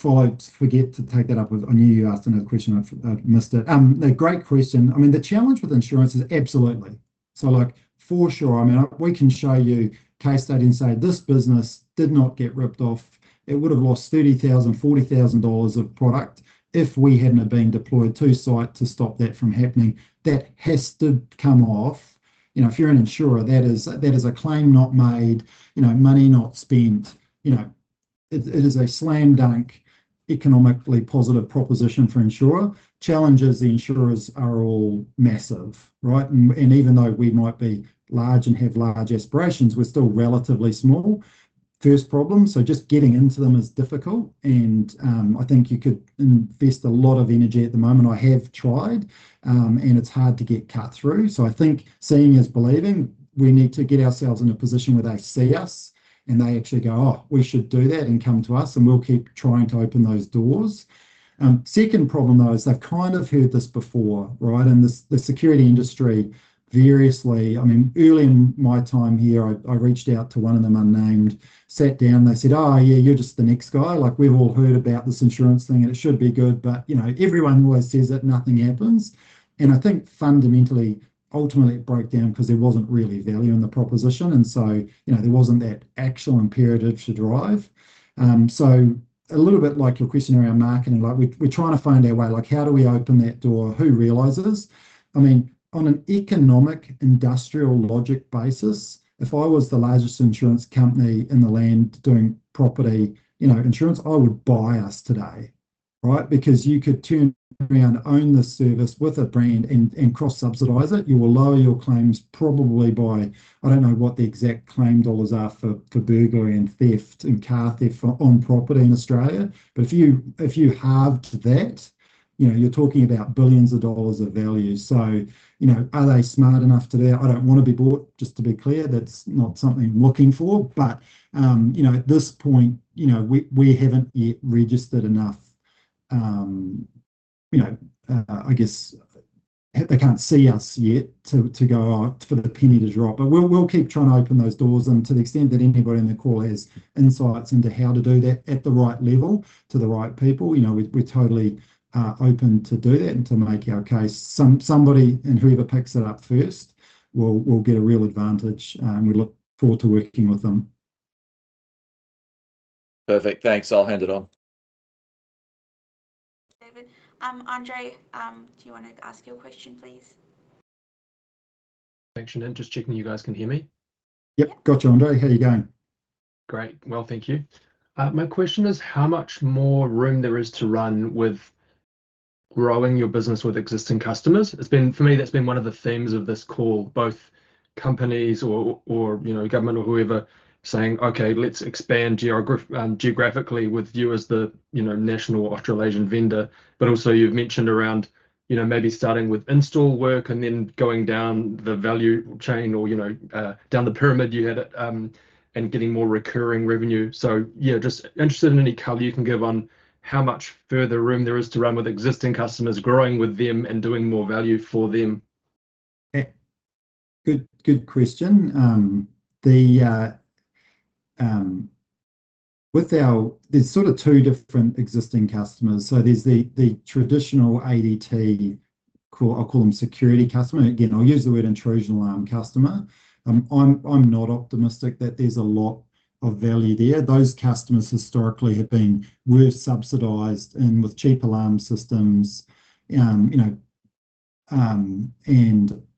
asked another question, I missed it. A great question. I mean, the challenge with insurance is absolutely. So, like, for sure, I mean, we can show you case study and say, "This business did not get ripped off. It would have lost 30,000, 40,000 dollars of product if we hadn't have been deployed to site to stop that from happening." That has to come off. You know, if you're an insurer, that is, that is a claim not made, you know, money not spent. You know, it, it is a slam dunk, economically positive proposition for insurer. Challenge is the insurers are all massive, right? And, and even though we might be large and have large aspirations, we're still relatively small. First problem, so just getting into them is difficult, and I think you could invest a lot of energy at the moment. I have tried, and it's hard to get cut through. So I think seeing is believing. We need to get ourselves in a position where they see us, and they actually go, "Oh, we should do that," and come to us, and we'll keep trying to open those doors. Second problem, though, is they've kind of heard this before, right? And the security industry variously, I mean, early in my time here, I reached out to one of them, unnamed, sat down, they said, "Oh, yeah, you're just the next guy. Like, we've all heard about this insurance thing, and it should be good, but, you know, everyone always says that nothing happens." I think fundamentally, ultimately, it broke down because there wasn't really value in the proposition. So, you know, there wasn't that actual imperative to drive. So a little bit like your question around marketing, like, we're, we're trying to find our way, like, how do we open that door? Who realizes? I mean, on an economic, industrial logic basis, if I was the largest insurance company in the land doing property, you know, insurance, I would buy us today, right? Because you could turn around, own the service with a brand and, and cross-subsidize it. You will lower your claims probably by. I don't know what the exact claim dollars are for burglary and theft and car theft on property in Australia, but if you halved that, you know, you're talking about billions dollars of value. So, you know, are they smart enough to do it? I don't want to be bought, just to be clear. That's not something I'm looking for. But, you know, at this point, you know, we haven't yet registered enough, you know, I guess, they can't see us yet to go, "Oh," for the penny to drop. But we'll keep trying to open those doors, and to the extent that anybody on the call has insights into how to do that at the right level, to the right people, you know, we're totally open to do that and to make our case. Somebody, and whoever picks it up first, will get a real advantage, and we look forward to working with them. Perfect. Thanks. I'll hand it on. David. Andre, do you want to ask your question, please? Thanks, sure. Just checking you guys can hear me. Yep. Got you, Andre. How are you going? Great. Well, thank you. My question is, how much more room there is to run with growing your business with existing customers? It's been, for me, that's been one of the themes of this call, both companies or, or, you know, government or whoever, saying, "Okay, let's expand geographically with you as the, you know, national Australasian vendor." But also, you've mentioned around, you know, maybe starting with install work and then going down the value chain or, you know, down the pyramid, you had it, and getting more recurring revenue. So, yeah, just interested in any color you can give on how much further room there is to run with existing customers, growing with them, and doing more value for them. Yeah. Good, good question. There's sort of two different existing customers. So there's the traditional ADT. I'll call them security customer. Again, I'll use the word intrusion alarm customer. I'm not optimistic that there's a lot of value there. Those customers historically have been subsidized and with cheap alarm systems, you know, and,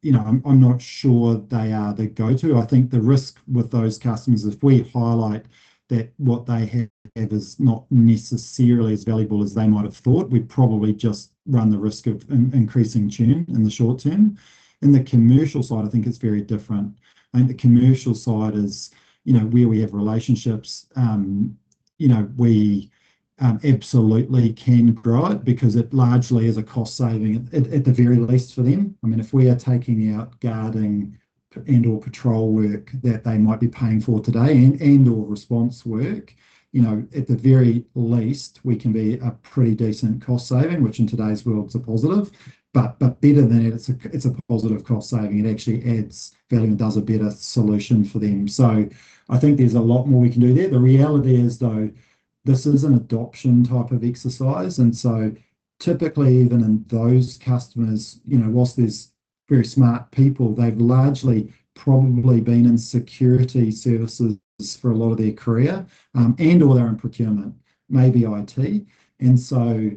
you know, I'm not sure they are the go-to. I think the risk with those customers, if we highlight that what they have is not necessarily as valuable as they might have thought, we'd probably just run the risk of increasing churn in the short term. In the commercial side, I think it's very different. I think the commercial side is, you know, where we have relationships, you know, we absolutely can grow it because it largely is a cost saving at the very least for them. I mean, if we are taking out guarding and/or patrol work that they might be paying for today, and/or response work, you know, at the very least, we can be a pretty decent cost saving, which in today's world is a positive. But better than that, it's a positive cost saving. It actually adds value and does a better solution for them. So I think there's a lot more we can do there. The reality is, though, this is an adoption type of exercise, and so typically, even in those customers, you know, while there's very smart people, they've largely probably been in security services for a lot of their career, and/or they're in procurement, maybe IT. And so,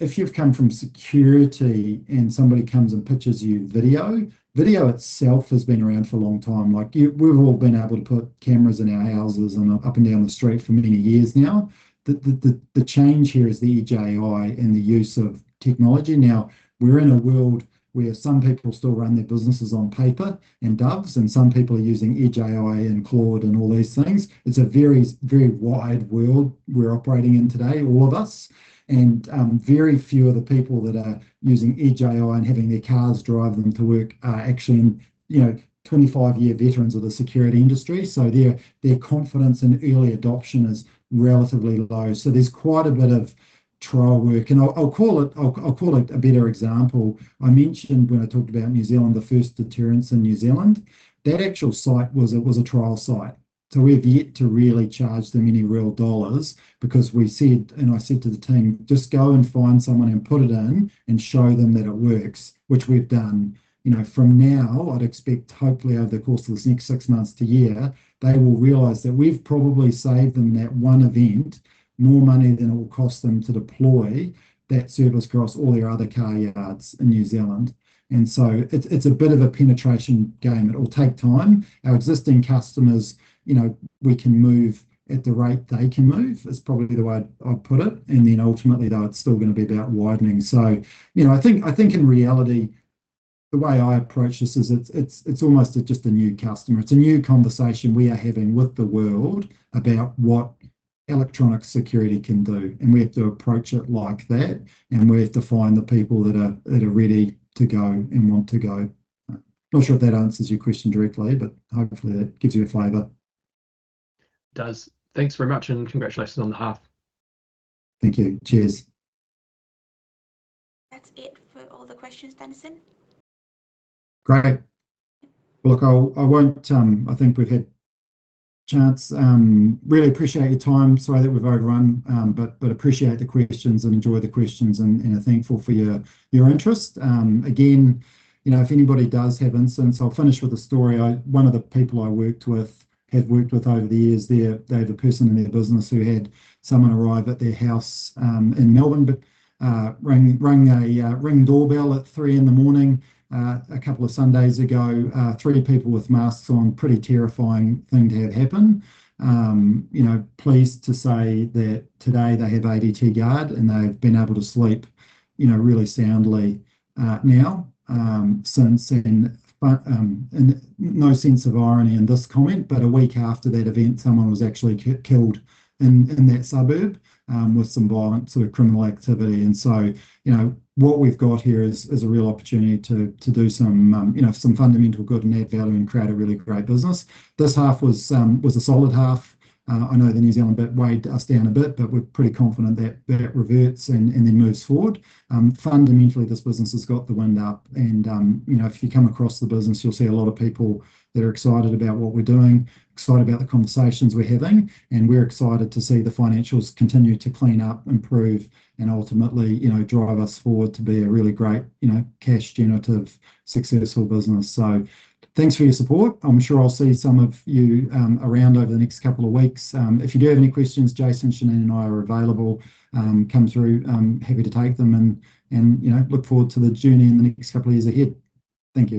if you've come from security and somebody comes and pitches you video, video itself has been around for a long time. Like, we've all been able to put cameras in our houses and up and down the street for many years now. The change here is the AI and the use of technology. Now we're in a world where some people still run their businesses on paper and doves, and some people are using AI and Claude and all these things. It's a very, very wide world we're operating in today, all of us, and very few of the people that are using AI and having their cars drive them to work are actually, you know, 25-year veterans of the security industry, so their confidence in early adoption is relatively low. So there's quite a bit of trial work, and I'll call it a better example. I mentioned when I talked about New Zealand, the first deterrence in New Zealand, that actual site was a trial site. So we've yet to really charge them any real dollars because we said and I said to the team, "Just go and find someone and put it in and show them that it works," which we've done. You know, from now, I'd expect hopefully over the course of this next six months to a year, they will realize that we've probably saved them, in that one event, more money than it will cost them to deploy that service across all their other car yards in New Zealand. And so it's a bit of a penetration game. It'll take time. Our existing customers, you know, we can move at the rate they can move, is probably the way I'd put it, and then ultimately, though, it's still gonna be about widening. So, you know, I think in reality, the way I approach this is it's almost just a new customer. It's a new conversation we are having with the world about what electronic security can do, and we have to approach it like that, and we have to find the people that are, that are ready to go and want to go. Not sure if that answers your question directly, but hopefully it gives you a flavor. It does. Thanks very much, and congratulations on the half. Thank you. Cheers. That's it for all the questions, Dennison. Great. Look, I'll—I won't. I think we've had a chance. Really appreciate your time. Sorry that we've overrun, but, but appreciate the questions and enjoy the questions and, and are thankful for your, your interest. Again, you know, if anybody does have incidents, I'll finish with a story. One of the people I worked with, have worked with over the years there, they have a person in their business who had someone arrive at their house, in Melbourne, but, rang, rang a Ring doorbell at three in the morning, a couple of Sundays ago. Three people with masks on. Pretty terrifying thing to have happen. You know, pleased to say that today they have ADT Guard, and they've been able to sleep, you know, really soundly, now, since then. But, and no sense of irony in this comment, but a week after that event, someone was actually killed in that suburb with some violent sort of criminal activity. And so, you know, what we've got here is a real opportunity to do some, you know, some fundamental good and add value and create a really great business. This half was a solid half. I know the New Zealand bit weighed us down a bit, but we're pretty confident that that reverts and then moves forward. Fundamentally, this business has got the wind up and, you know, if you come across the business, you'll see a lot of people that are excited about what we're doing, excited about the conversations we're having, and we're excited to see the financials continue to clean up, improve and ultimately, you know, drive us forward to be a really great, you know, cash generative, successful business. So thanks for your support. I'm sure I'll see some of you around over the next couple of weeks. If you do have any questions, Jason, Janine, and I are available. Come through. I'm happy to take them and, you know, look forward to the journey in the next couple of years ahead. Thank you.